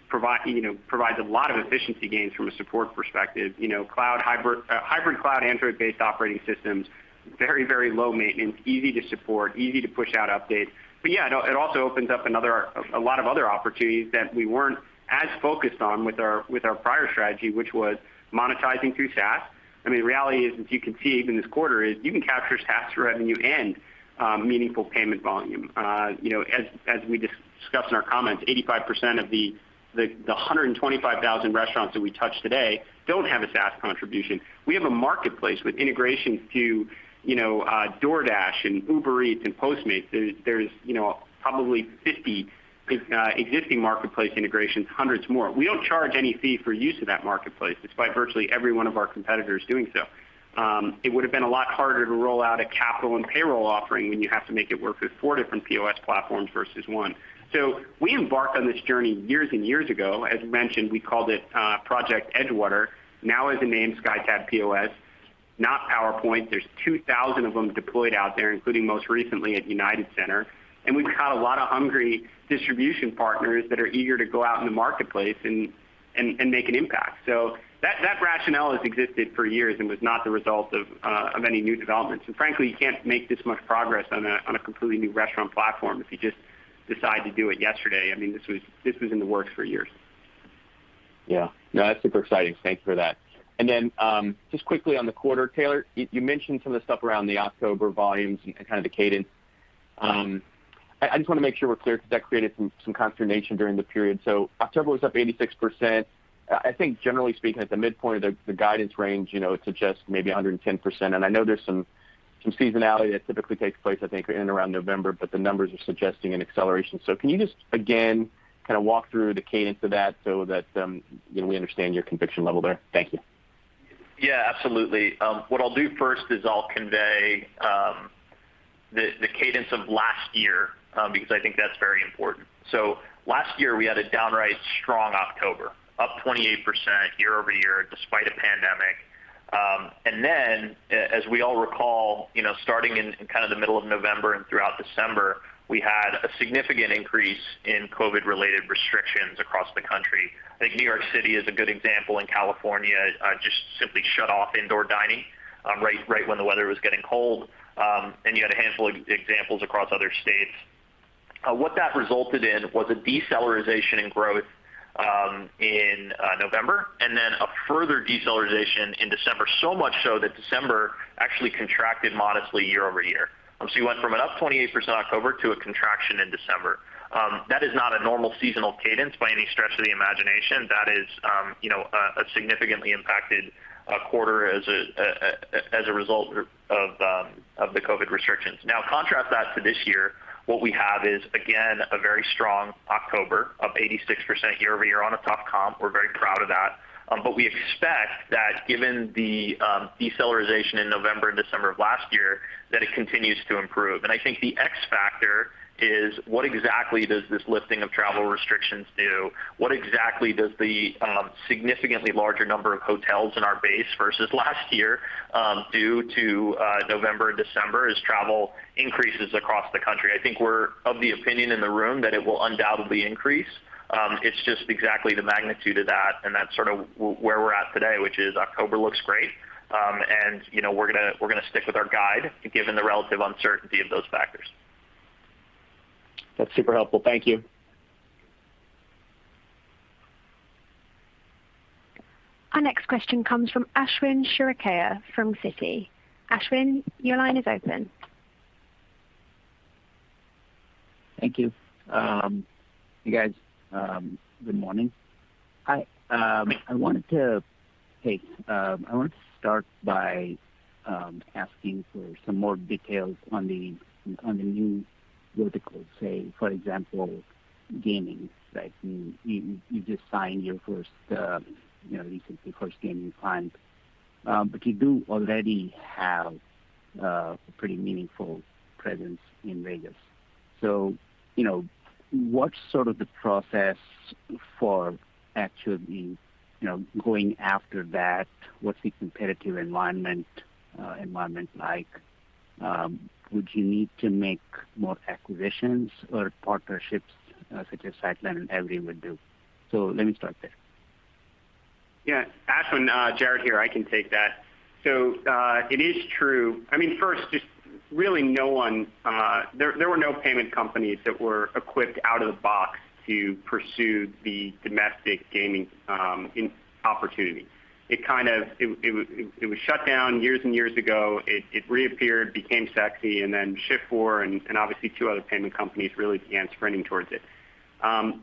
S3: provides a lot of efficiency gains from a support perspective. You know, hybrid cloud, Android-based operating systems, very low maintenance, easy to support, easy to push out updates. Yeah, no, it also opens up a lot of other opportunities that we weren't as focused on with our prior strategy, which was monetizing through SaaS. I mean, the reality is, as you can see even this quarter, you can capture SaaS revenue and meaningful payment volume. As we discussed in our comments, 85% of the 125,000 restaurants that we touch today don't have a SaaS contribution. We have a marketplace with integrations to DoorDash and Uber Eats and Postmates. There's probably 50 existing marketplace integrations, hundreds more. We don't charge any fee for use of that marketplace, despite virtually every one of our competitors doing so. It would've been a lot harder to roll out a capital and payroll offering when you have to make it work with four different POS platforms versus one. We embarked on this journey years and years ago. As mentioned, we called it Project Edgewater. Now as a name, SkyTab POS, not PowerPoint. There's 2,000 of them deployed out there, including most recently at United Center, and we've got a lot of hungry distribution partners that are eager to go out in the marketplace and make an impact. That rationale has existed for years and was not the result of any new developments. Frankly, you can't make this much progress on a completely new restaurant platform if you just decide to do it yesterday. I mean, this was in the works for years.
S8: Yeah. No, that's super exciting. Thank you for that. Then, just quickly on the quarter, Taylor, you mentioned some of the stuff around the October volumes and kind of the cadence. I just wanna make sure we're clear because that created some consternation during the period. October was up 86%. I think generally speaking, at the midpoint of the guidance range, you know, it suggests maybe 110%. I know there's some seasonality that typically takes place, I think, in and around November, but the numbers are suggesting an acceleration. Can you just, again, kind of walk through the cadence of that so that, you know, we understand your conviction level there? Thank you.
S4: Yeah, absolutely. What I'll do first is I'll convey the cadence of last year because I think that's very important. Last year, we had a downright strong October, up 28% year-over-year despite a pandemic. As we all recall, you know, starting in kind of the middle of November and throughout December, we had a significant increase in COVID-related restrictions across the country. I think New York City is a good example, and California just simply shut off indoor dining right when the weather was getting cold. You had a handful of examples across other states. What that resulted in was a deceleration in growth in November and then a further deceleration in December. So much so that December actually contracted modestly year-over-year. So you went from an up 28% October to a contraction in December. That is not a normal seasonal cadence by any stretch of the imagination. That is, you know, a significantly impacted quarter as a result of the COVID restrictions. Now, contrast that to this year, what we have is, again, a very strong October, up 86% year-over-year on a tough comp. We're very proud of that. But we expect that given the deceleration in November and December of last year, that it continues to improve. I think the X factor is what exactly does this lifting of travel restrictions do? What exactly does the significantly larger number of hotels in our base versus last year do to November and December as travel increases across the country? I think we're of the opinion in the room that it will undoubtedly increase. It's just exactly the magnitude of that, and that's sort of where we're at today, which is October looks great. You know, we're gonna stick with our guide given the relative uncertainty of those factors.
S8: That's super helpful. Thank you.
S1: Our next question comes from Ashwin Shirvaikar from Citi. Ashwin, your line is open.
S9: Thank you. You guys, good morning. I wanted to start by asking for some more details on the new verticals, say, for example, gaming, right? You just signed your first gaming client recently. But you do already have a pretty meaningful presence in Vegas. You know, what's sort of the process for actually, you know, going after that? What's the competitive environment like? Would you need to make more acquisitions or partnerships, such as Sightline and Everi would do? Let me start there.
S3: Yeah, Ashwin, Jared here, I can take that. It is true. I mean, first, really no one. There were no payment companies that were equipped out of the box to pursue the domestic gaming opportunity. It was shut down years and years ago. It reappeared, became sexy, and then Shift4 and obviously two other payment companies really began sprinting towards it.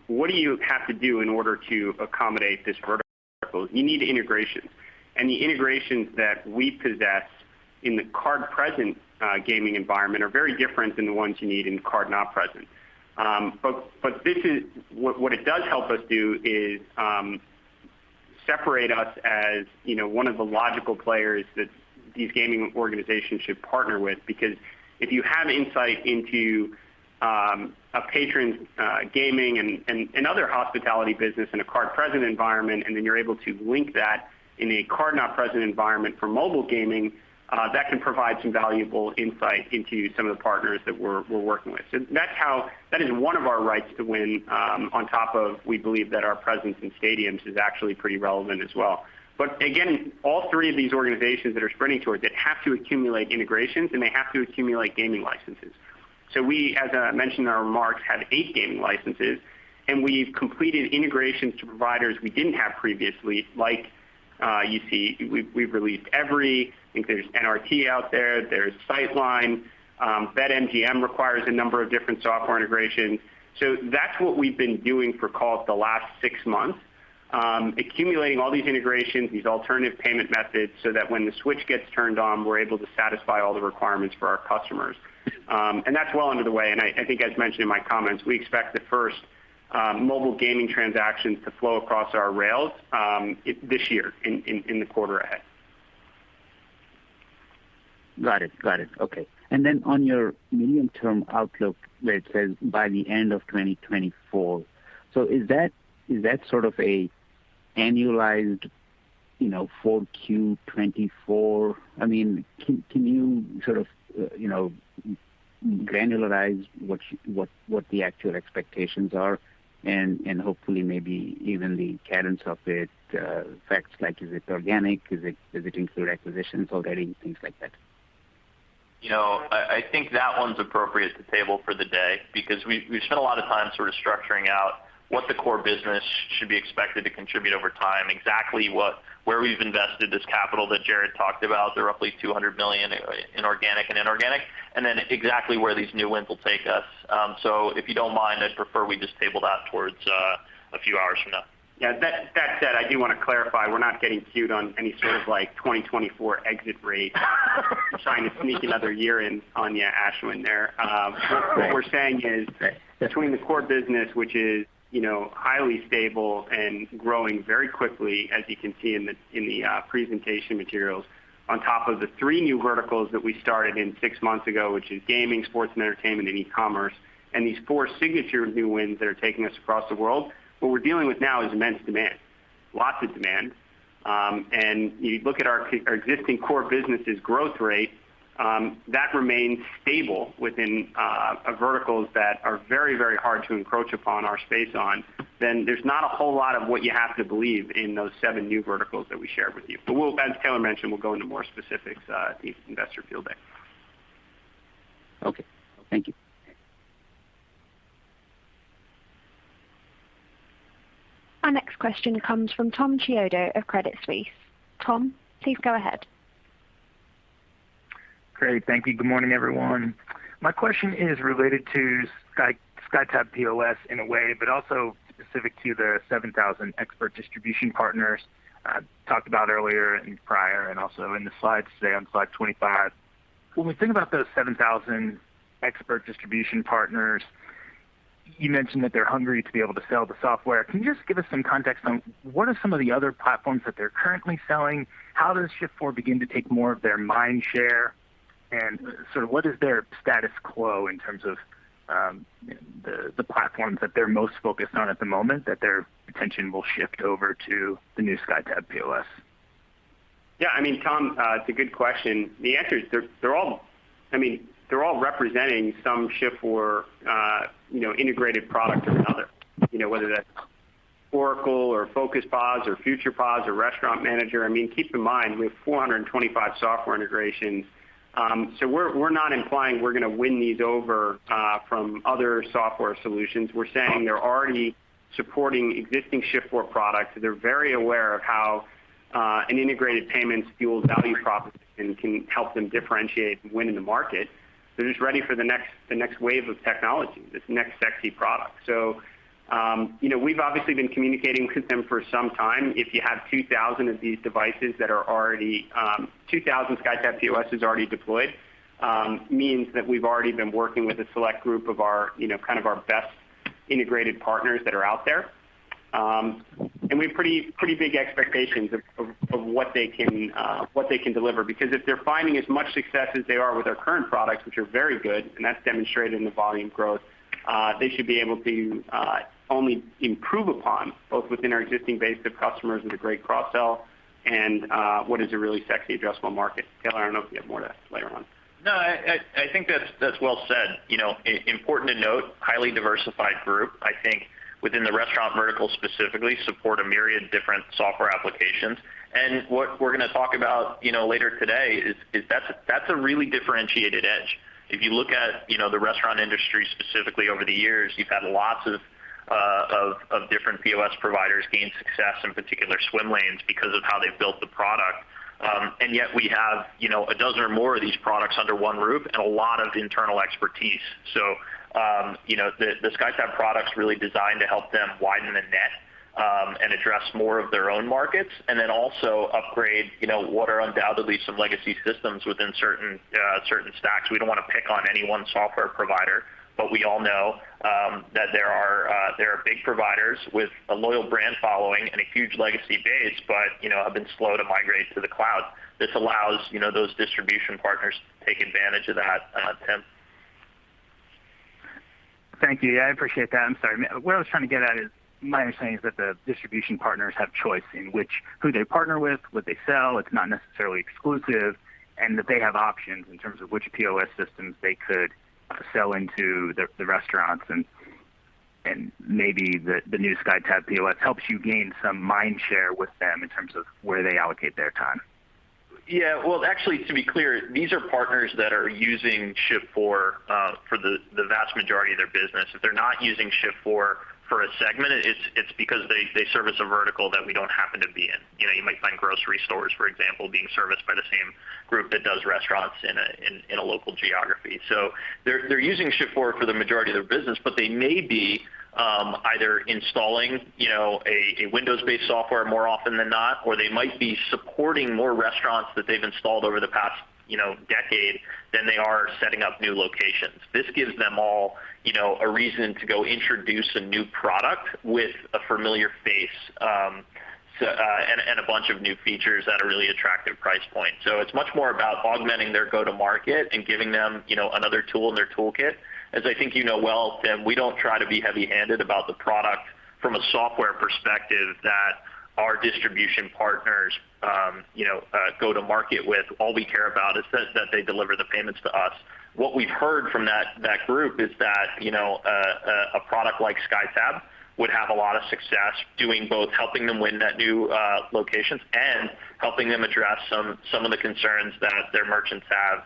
S3: What do you have to do in order to accommodate this vertical? You need integration. The integrations that we possess in the card present gaming environment are very different than the ones you need in card not present. This is what it does help us do is separate us as, you know, one of the logical players that these gaming organizations should partner with. Because if you have insight into a patron's gaming and other hospitality business in a card-present environment, and then you're able to link that in a card-not-present environment for mobile gaming, that can provide some valuable insight into some of the partners that we're working with. So that's how that is one of our rights to win, on top of we believe that our presence in stadiums is actually pretty relevant as well. But again, all three of these organizations that are sprinting towards it have to accumulate integrations, and they have to accumulate gaming licenses. So we, as I mentioned in our remarks, have eight gaming licenses, and we've completed integrations to providers we didn't have previously, like you see we've released Everi. I think there's NRT out there. There's Sightline. BetMGM requires a number of different software integrations. That's what we've been doing for, call it, the last six months, accumulating all these integrations, these alternative payment methods, so that when the switch gets turned on, we're able to satisfy all the requirements for our customers. That's well underway. I think as mentioned in my comments, we expect the first mobile gaming transactions to flow across our rails this year in the quarter ahead.
S9: Got it. Okay. On your medium-term outlook, where it says by the end of 2024. Is that sort of an annualized, you know, 4Q 2024? I mean, can you sort of, you know, granularize what the actual expectations are and hopefully maybe even the cadence of it, affects like is it organic? Does it include acquisitions already, things like that?
S4: I think that one's appropriate to table for the day because we spent a lot of time sort of structuring out what the core business should be expected to contribute over time. Exactly what, where we've invested this capital that Jared talked about, the roughly $200 million in organic and inorganic, and then exactly where these new wins will take us. If you don't mind, I'd prefer we just table that towards a few hours from now.
S3: Yeah. That said, I do wanna clarify, we're not getting cued on any sort of like 2024 exit rate. Trying to sneak another year in on you, Ashwin, there. What we're saying is
S9: Right.
S3: Between the core business, which is, you know, highly stable and growing very quickly, as you can see in the presentation materials, on top of the three new verticals that we started in six months ago, which is gaming, sports and entertainment, and e-commerce, and these four signature new wins that are taking us across the world, what we're dealing with now is immense demand, lots of demand. You look at our existing core business' growth rate, that remains stable within verticals that are very hard to encroach upon our space on, then there's not a whole lot of what you have to believe in those seven new verticals that we shared with you. We'll, as Taylor mentioned, we'll go into more specifics at the Investor Field Day.
S9: Okay. Thank you.
S1: Our next question comes from Tom Chiodo of Credit Suisse. Tom, please go ahead.
S10: Great. Thank you. Good morning, everyone. My question is related to SkyTab POS in a way, but also specific to the 7,000 expert distribution partners talked about earlier and prior and also in the slides today on slide 25. When we think about those 7,000 expert distribution partners, you mentioned that they're hungry to be able to sell the software. Can you just give us some context on what are some of the other platforms that they're currently selling? How does Shift4 begin to take more of their mind share? And sort of what is their status quo in terms of the platforms that they're most focused on at the moment that their attention will shift over to the new SkyTab POS?
S3: Yeah, I mean, Tom, it's a good question. The answer is they're all representing some Shift4 integrated product or another. You know, whether that's Oracle or Focus POS or Future POS or Restaurant Manager. I mean, keep in mind we have 425 software integrations. So we're not implying we're gonna win these over from other software solutions. We're saying they're already supporting existing Shift4 products. They're very aware of how an integrated payments fuels value proposition can help them differentiate and win in the market. They're just ready for the next wave of technology, this next sexy product. So you know, we've obviously been communicating with them for some time. If you have 2,000 of these devices that are already deployed, 2,000 SkyTab POS is already deployed, means that we've already been working with a select group of our, you know, kind of our best integrated partners that are out there. We have pretty big expectations of what they can deliver. Because if they're finding as much success as they are with our current products, which are very good, and that's demonstrated in the volume growth, they should be able to only improve upon both within our existing base of customers with a great cross-sell and what is a really sexy addressable market. Taylor, I don't know if you have more to layer on.
S4: No, I think that's well said. You know, important to note, highly diversified group. I think within the restaurant vertical specifically we support a myriad of different software applications. What we're gonna talk about, you know, later today is, that's a really differentiated edge. If you look at, you know, the restaurant industry specifically over the years, you've had lots of different POS providers gain success in particular swim lanes because of how they've built the product. Yet we have, you know, a dozen or more of these products under one roof and a lot of internal expertise. You know, the SkyTab product's really designed to help them widen the net and address more of their own markets, and then also upgrade, you know, what are undoubtedly some legacy systems within certain stacks. We don't wanna pick on any one software provider, but we all know that there are big providers with a loyal brand following and a huge legacy base, but you know have been slow to migrate to the cloud. This allows you know those distribution partners to take advantage of that, Tom.
S10: Thank you. I appreciate that. I'm sorry. What I was trying to get at is, my understanding is that the distribution partners have choice in which they partner with, what they sell. It's not necessarily exclusive, and that they have options in terms of which POS systems they could sell into the restaurants and maybe the new SkyTab POS helps you gain some mind share with them in terms of where they allocate their time.
S4: Yeah. Well, actually, to be clear, these are partners that are using Shift4 for the vast majority of their business. If they're not using Shift4 for a segment, it's because they service a vertical that we don't happen to be in. You know, you might find grocery stores, for example, being serviced by the same group that does restaurants in a local geography. So they're using Shift4 for the majority of their business, but they may be either installing, you know, a Windows-based software more often than not, or they might be supporting more restaurants that they've installed over the past, you know, decade than they are setting up new locations. This gives them all, you know, a reason to go introduce a new product with a familiar face, and a bunch of new features at a really attractive price point. It's much more about augmenting their go-to-market and giving them, you know, another tool in their toolkit. As I think you know well, Tom, we don't try to be heavy-handed about the product from a software perspective that our distribution partners, you know, go to market with. All we care about is that they deliver the payments to us. What we've heard from that group is that, you know, a product like SkyTab would have a lot of success doing both, helping them win that new locations and helping them address some of the concerns that their merchants have,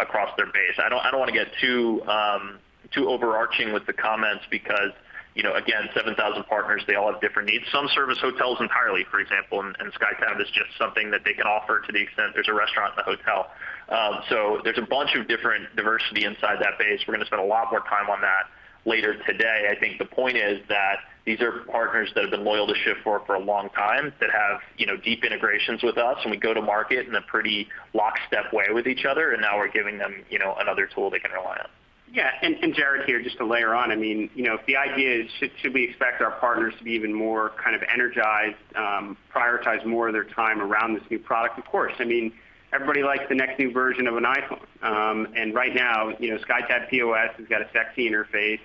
S4: across their base. I don't wanna get too overarching with the comments because, you know, again, 7,000 partners, they all have different needs. Some serve hotels entirely, for example, and SkyTab is just something that they can offer to the extent there's a restaurant in the hotel. So there's a bunch of different diversity inside that base. We're gonna spend a lot more time on that later today. I think the point is that these are partners that have been loyal to Shift4 for a long time, that have, you know, deep integrations with us, and we go to market in a pretty lockstep way with each other, and now we're giving them, you know, another tool they can rely on.
S3: Yeah. Jared here, just to layer on. I mean, you know, if the idea is should we expect our partners to be even more kind of energized, prioritize more of their time around this new product? Of course. I mean, everybody likes the next new version of an iPhone. Right now, you know, SkyTab POS has got a sexy interface.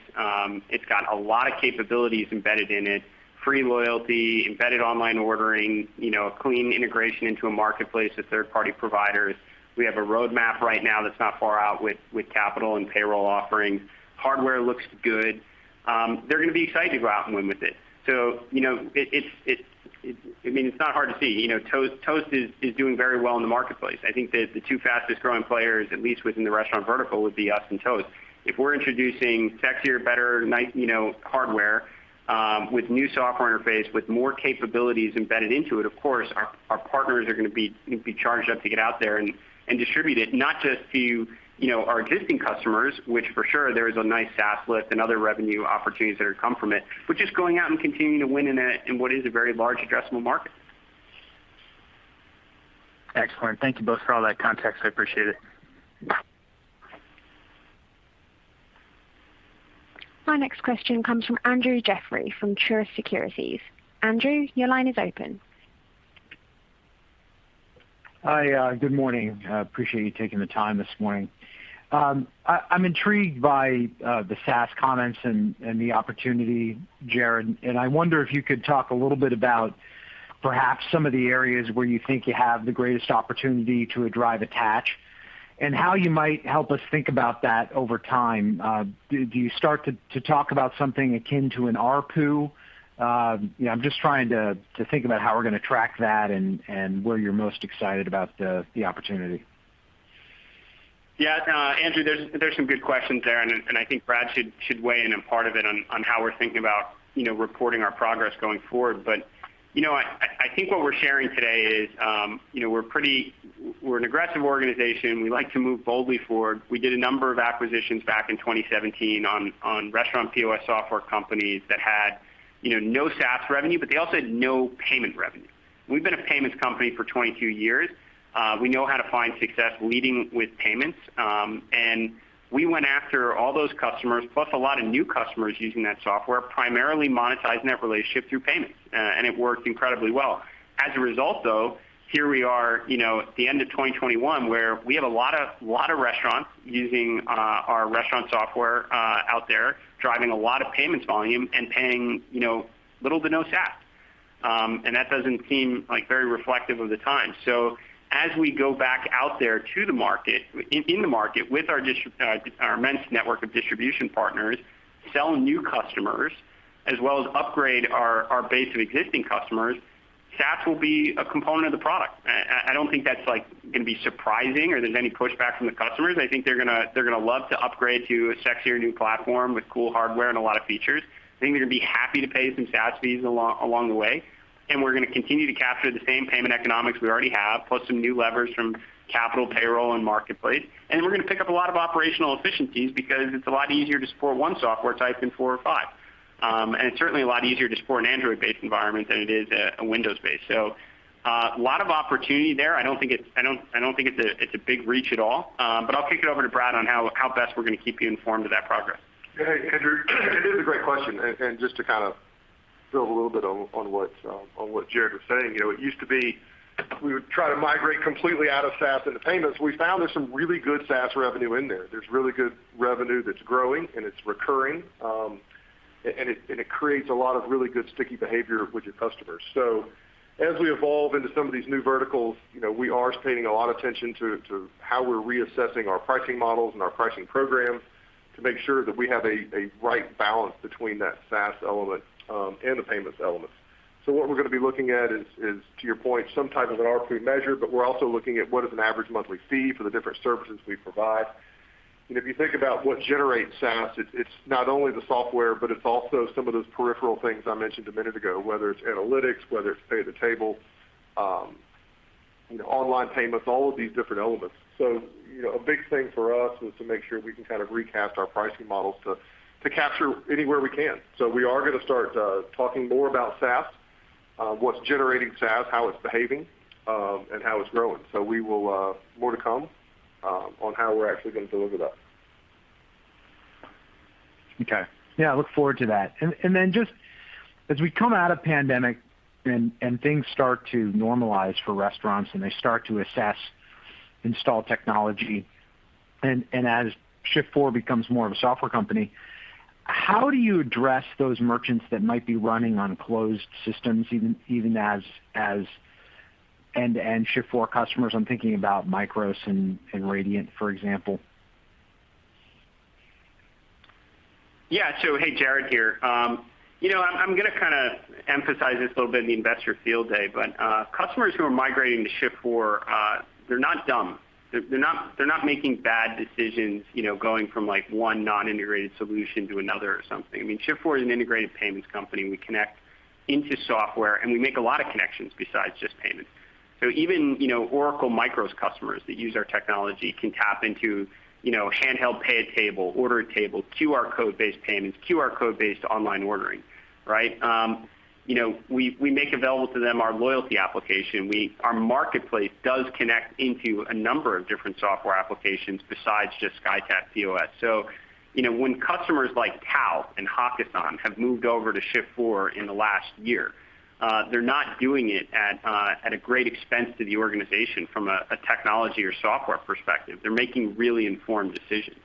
S3: It's got a lot of capabilities embedded in it, free loyalty, embedded online ordering, you know, a clean integration into a marketplace with third-party providers. We have a roadmap right now that's not far out with capital and payroll offerings. Hardware looks good. They're gonna be excited to go out and win with it. You know, it's not hard to see. You know, Toast is doing very well in the marketplace. I think the two fastest-growing players, at least within the restaurant vertical, would be us and Toast. If we're introducing sexier, better, you know, hardware with new software interface, with more capabilities embedded into it, of course, our partners are gonna be, you know, be charged up to get out there and distribute it, not just to, you know, our existing customers, which for sure there is a nice SaaS lift and other revenue opportunities that come from it. We're just going out and continuing to win in what is a very large addressable market.
S10: Excellent. Thank you both for all that context. I appreciate it.
S1: Our next question comes from Andrew Jeffrey from Truist Securities. Andrew, your line is open.
S11: Hi. Good morning. I appreciate you taking the time this morning. I'm intrigued by the SaaS comments and the opportunity, Jared, and I wonder if you could talk a little bit about perhaps some of the areas where you think you have the greatest opportunity to drive attach and how you might help us think about that over time. Do you start to talk about something akin to an ARPU? You know, I'm just trying to think about how we're gonna track that and where you're most excited about the opportunity.
S3: Yeah. Andrew, there's some good questions there, and I think Brad should weigh in on part of it on how we're thinking about, you know, reporting our progress going forward. You know, I think what we're sharing today is, you know, we're an aggressive organization. We like to move boldly forward. We did a number of acquisitions back in 2017 on restaurant POS software companies that had, you know, no SaaS revenue, but they also had no payment revenue. We've been a payments company for 22 years. We know how to find success leading with payments, and we went after all those customers, plus a lot of new customers using that software, primarily monetizing that relationship through payments. It worked incredibly well. As a result, though, here we are, you know, at the end of 2021, where we have a lot of restaurants using our restaurant software out there, driving a lot of payments volume and paying, you know, little to no SaaS. That doesn't seem like very reflective of the times. As we go back out there to the market, in the market with our immense network of distribution partners, sell new customers, as well as upgrade our base of existing customers, SaaS will be a component of the product. I don't think that's gonna be surprising or there's any pushback from the customers. I think they're gonna love to upgrade to a sexier new platform with cool hardware and a lot of features. I think they're gonna be happy to pay some SaaS fees along the way, and we're gonna continue to capture the same payment economics we already have, plus some new levers from capital, payroll, and marketplace. We're gonna pick up a lot of operational efficiencies because it's a lot easier to support one software type than four or five. It's certainly a lot easier to support an Android-based environment than a Windows-based. A lot of opportunity there. I don't think it's a big reach at all. I'll kick it over to Brad on how best we're gonna keep you informed of that progress.
S5: Hey, Andrew, it is a great question. Just to kind of build a little bit on what Jared was saying. You know, it used to be we would try to migrate completely out of SaaS into payments. We found there's some really good SaaS revenue in there. There's really good revenue that's growing, and it's recurring, and it creates a lot of really good sticky behavior with your customers. As we evolve into some of these new verticals, you know, we are paying a lot attention to how we're reassessing our pricing models and our pricing programs to make sure that we have a right balance between that SaaS element and the payments element. What we're gonna be looking at is, to your point, some type of an ARPU measure, but we're also looking at what is an average monthly fee for the different services we provide. If you think about what generates SaaS, it's not only the software, but it's also some of those peripheral things I mentioned a minute ago, whether it's analytics, whether it's pay at the table, you know, online payments, all of these different elements. You know, a big thing for us is to make sure we can kind of recast our pricing models to capture anywhere we can. We are gonna start talking more about SaaS, what's generating SaaS, how it's behaving, and how it's growing. We will. More to come on how we're actually gonna deliver that.
S11: Okay. Yeah, I look forward to that. Then just as we come out of pandemic and things start to normalize for restaurants, and they start to assess, install technology, and as Shift4 becomes more of a software company, how do you address those merchants that might be running on closed systems, even as end-to-end Shift4 customers? I'm thinking about MICROS and Radiant, for example.
S3: Yeah. Hey, Jared here. You know, I'm gonna kinda emphasize this a little bit in the Investor Field Day, but customers who are migrating to Shift4, they're not dumb. They're not making bad decisions, you know, going from, like, one non-integrated solution to another or something. I mean, Shift4 is an integrated payments company. We connect into software, and we make a lot of connections besides just payments. Even, you know, Oracle MICROS customers that use our technology can tap into, you know, handheld pay at table, order at table, QR code-based payments, QR code-based online ordering, right? You know, we make available to them our loyalty application. Our marketplace does connect into a number of different software applications besides just SkyTab POS. You know, when customers like Tao and Hakkasan have moved over to Shift4 in the last year, they're not doing it at a great expense to the organization from a technology or software perspective. They're making really informed decisions.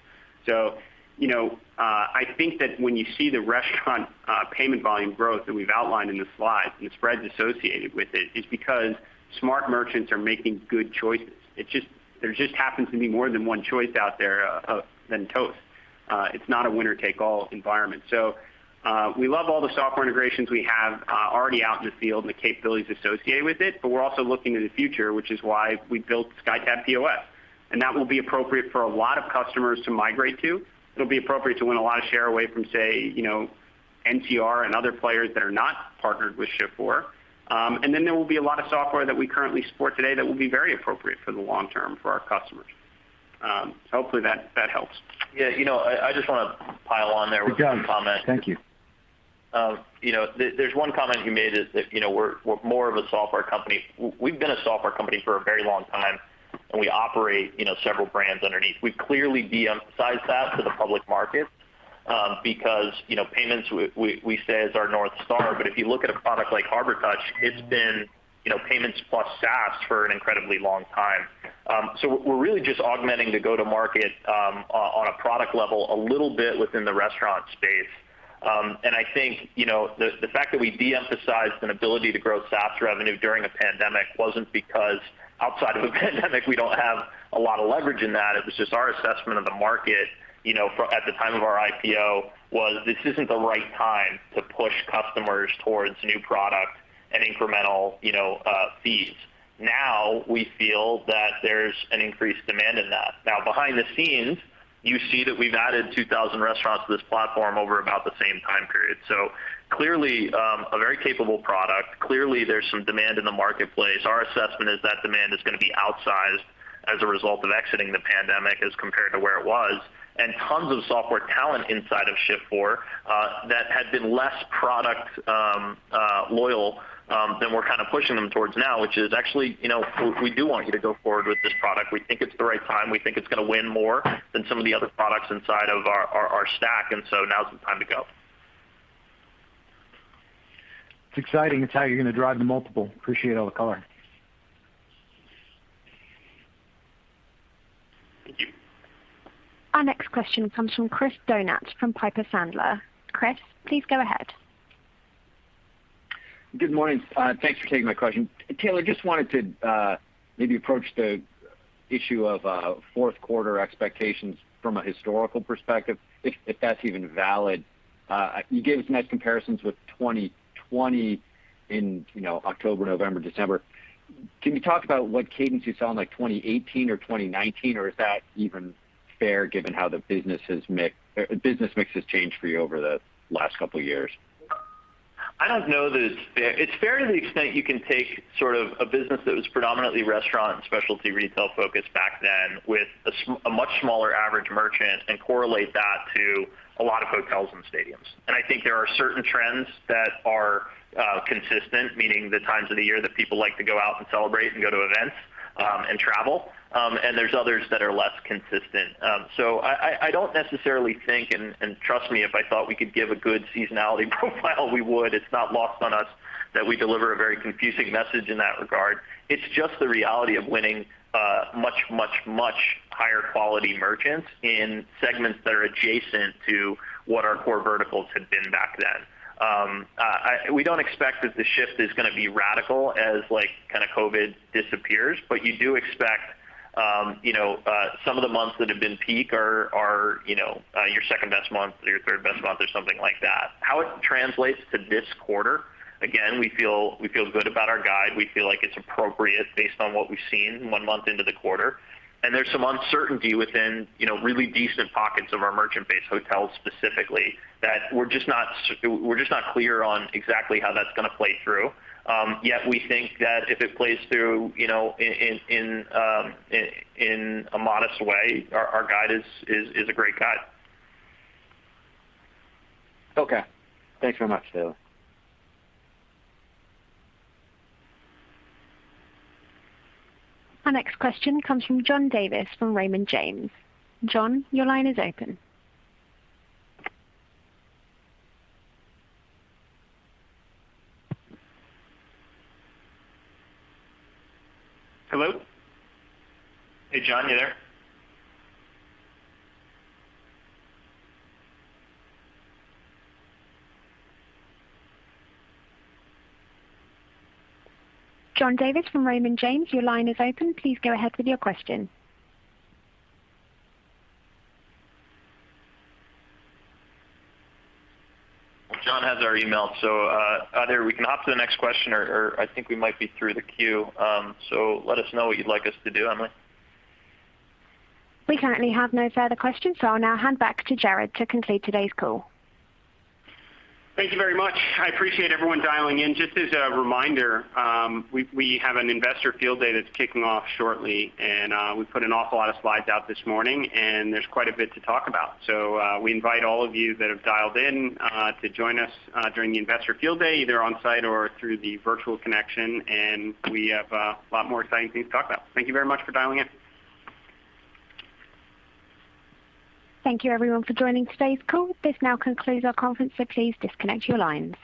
S3: You know, I think that when you see the restaurant payment volume growth that we've outlined in the slides and the spreads associated with it's because smart merchants are making good choices. There just happens to be more than one choice out there than Toast. It's not a winner-take-all environment. We love all the software integrations we have already out in the field and the capabilities associated with it, but we're also looking to the future, which is why we built SkyTab POS, and that will be appropriate for a lot of customers to migrate to. It'll be appropriate to win a lot of share away from, say, you know, NCR and other players that are not partnered with Shift4. Then there will be a lot of software that we currently support today that will be very appropriate for the long term for our customers. Hopefully that helps.
S4: Yeah. You know, I just wanna pile on there with one comment.
S11: Yeah. Thank you.
S4: You know, there's one comment you made is that, you know, we're more of a software company. We've been a software company for a very long time, and we operate, you know, several brands underneath. We clearly de-emphasize that to the public market, because, you know, payments, we say is our North Star, but if you look at a product like Harbortouch, it's been, you know, payments plus SaaS for an incredibly long time. We're really just augmenting the go-to-market, on a product level a little bit within the restaurant space. I think, you know, the fact that we de-emphasized an ability to grow SaaS revenue during a pandemic wasn't because outside of a pandemic, we don't have a lot of leverage in that. It was just our assessment of the market, you know, at the time of our IPO, was this isn't the right time to push customers towards new product and incremental, you know, fees. Now, we feel that there's an increased demand in that. Now, behind the scenes, you see that we've added 2,000 restaurants to this platform over about the same time period. So clearly, a very capable product. Clearly, there's some demand in the marketplace. Our assessment is that demand is gonna be outsized. As a result of exiting the pandemic as compared to where it was, and tons of software talent inside of Shift4 that had been less product loyal than we're kind of pushing them towards now, which is actually, you know, we do want you to go forward with this product. We think it's the right time. We think it's gonna win more than some of the other products inside of our stack, and so now's the time to go.
S11: It's exciting. It's how you're gonna drive the multiple. Appreciate all the color.
S4: Thank you.
S1: Our next question comes from Chris Donat from Piper Sandler. Chris, please go ahead.
S12: Good morning. Thanks for taking my question. Taylor, just wanted to maybe approach the issue of fourth quarter expectations from a historical perspective, if that's even valid. You gave some nice comparisons with 2020 in, you know, October, November, December. Can you talk about what cadence you saw in, like, 2018 or 2019, or is that even fair given how the business mix has changed for you over the last couple years?
S4: I don't know that it's fair. It's fair to the extent you can take sort of a business that was predominantly restaurant and specialty retail focused back then with a much smaller average merchant and correlate that to a lot of hotels and stadiums. I think there are certain trends that are consistent, meaning the times of the year that people like to go out and celebrate and go to events and travel. There's others that are less consistent. I don't necessarily think, and trust me, if I thought we could give a good seasonality profile, we would. It's not lost on us that we deliver a very confusing message in that regard. It's just the reality of winning much higher quality merchants in segments that are adjacent to what our core verticals had been back then. We don't expect that the shift is gonna be radical as, like, kinda COVID disappears, but you do expect some of the months that have been peak are your second-best month or your third-best month or something like that. How it translates to this quarter, again, we feel good about our guide. We feel like it's appropriate based on what we've seen one month into the quarter. There's some uncertainty within really decent pockets of our merchant base hotels specifically, that we're just not clear on exactly how that's gonna play through. Yet we think that if it plays through, you know, in a modest way, our guide is a great guide.
S12: Okay. Thanks very much, Taylor.
S1: Our next question comes from John Davis from Raymond James. John, your line is open.
S4: Hello? Hey, John, you there?
S1: John Davis from Raymond James, your line is open. Please go ahead with your question.
S4: Well, John has our email, so either we can hop to the next question or I think we might be through the queue. Let us know what you'd like us to do, Emily.
S1: We currently have no further questions, so I'll now hand back to Jared to conclude today's call.
S3: Thank you very much. I appreciate everyone dialing in. Just as a reminder, we have an Investor Field Day that's kicking off shortly and we put an awful lot of slides out this morning, and there's quite a bit to talk about. We invite all of you that have dialed in to join us during the Investor Field Day, either on-site or through the virtual connection, and we have a lot more exciting things to talk about. Thank you very much for dialing in.
S1: Thank you everyone for joining today's call. This now concludes our conference, so please disconnect your lines.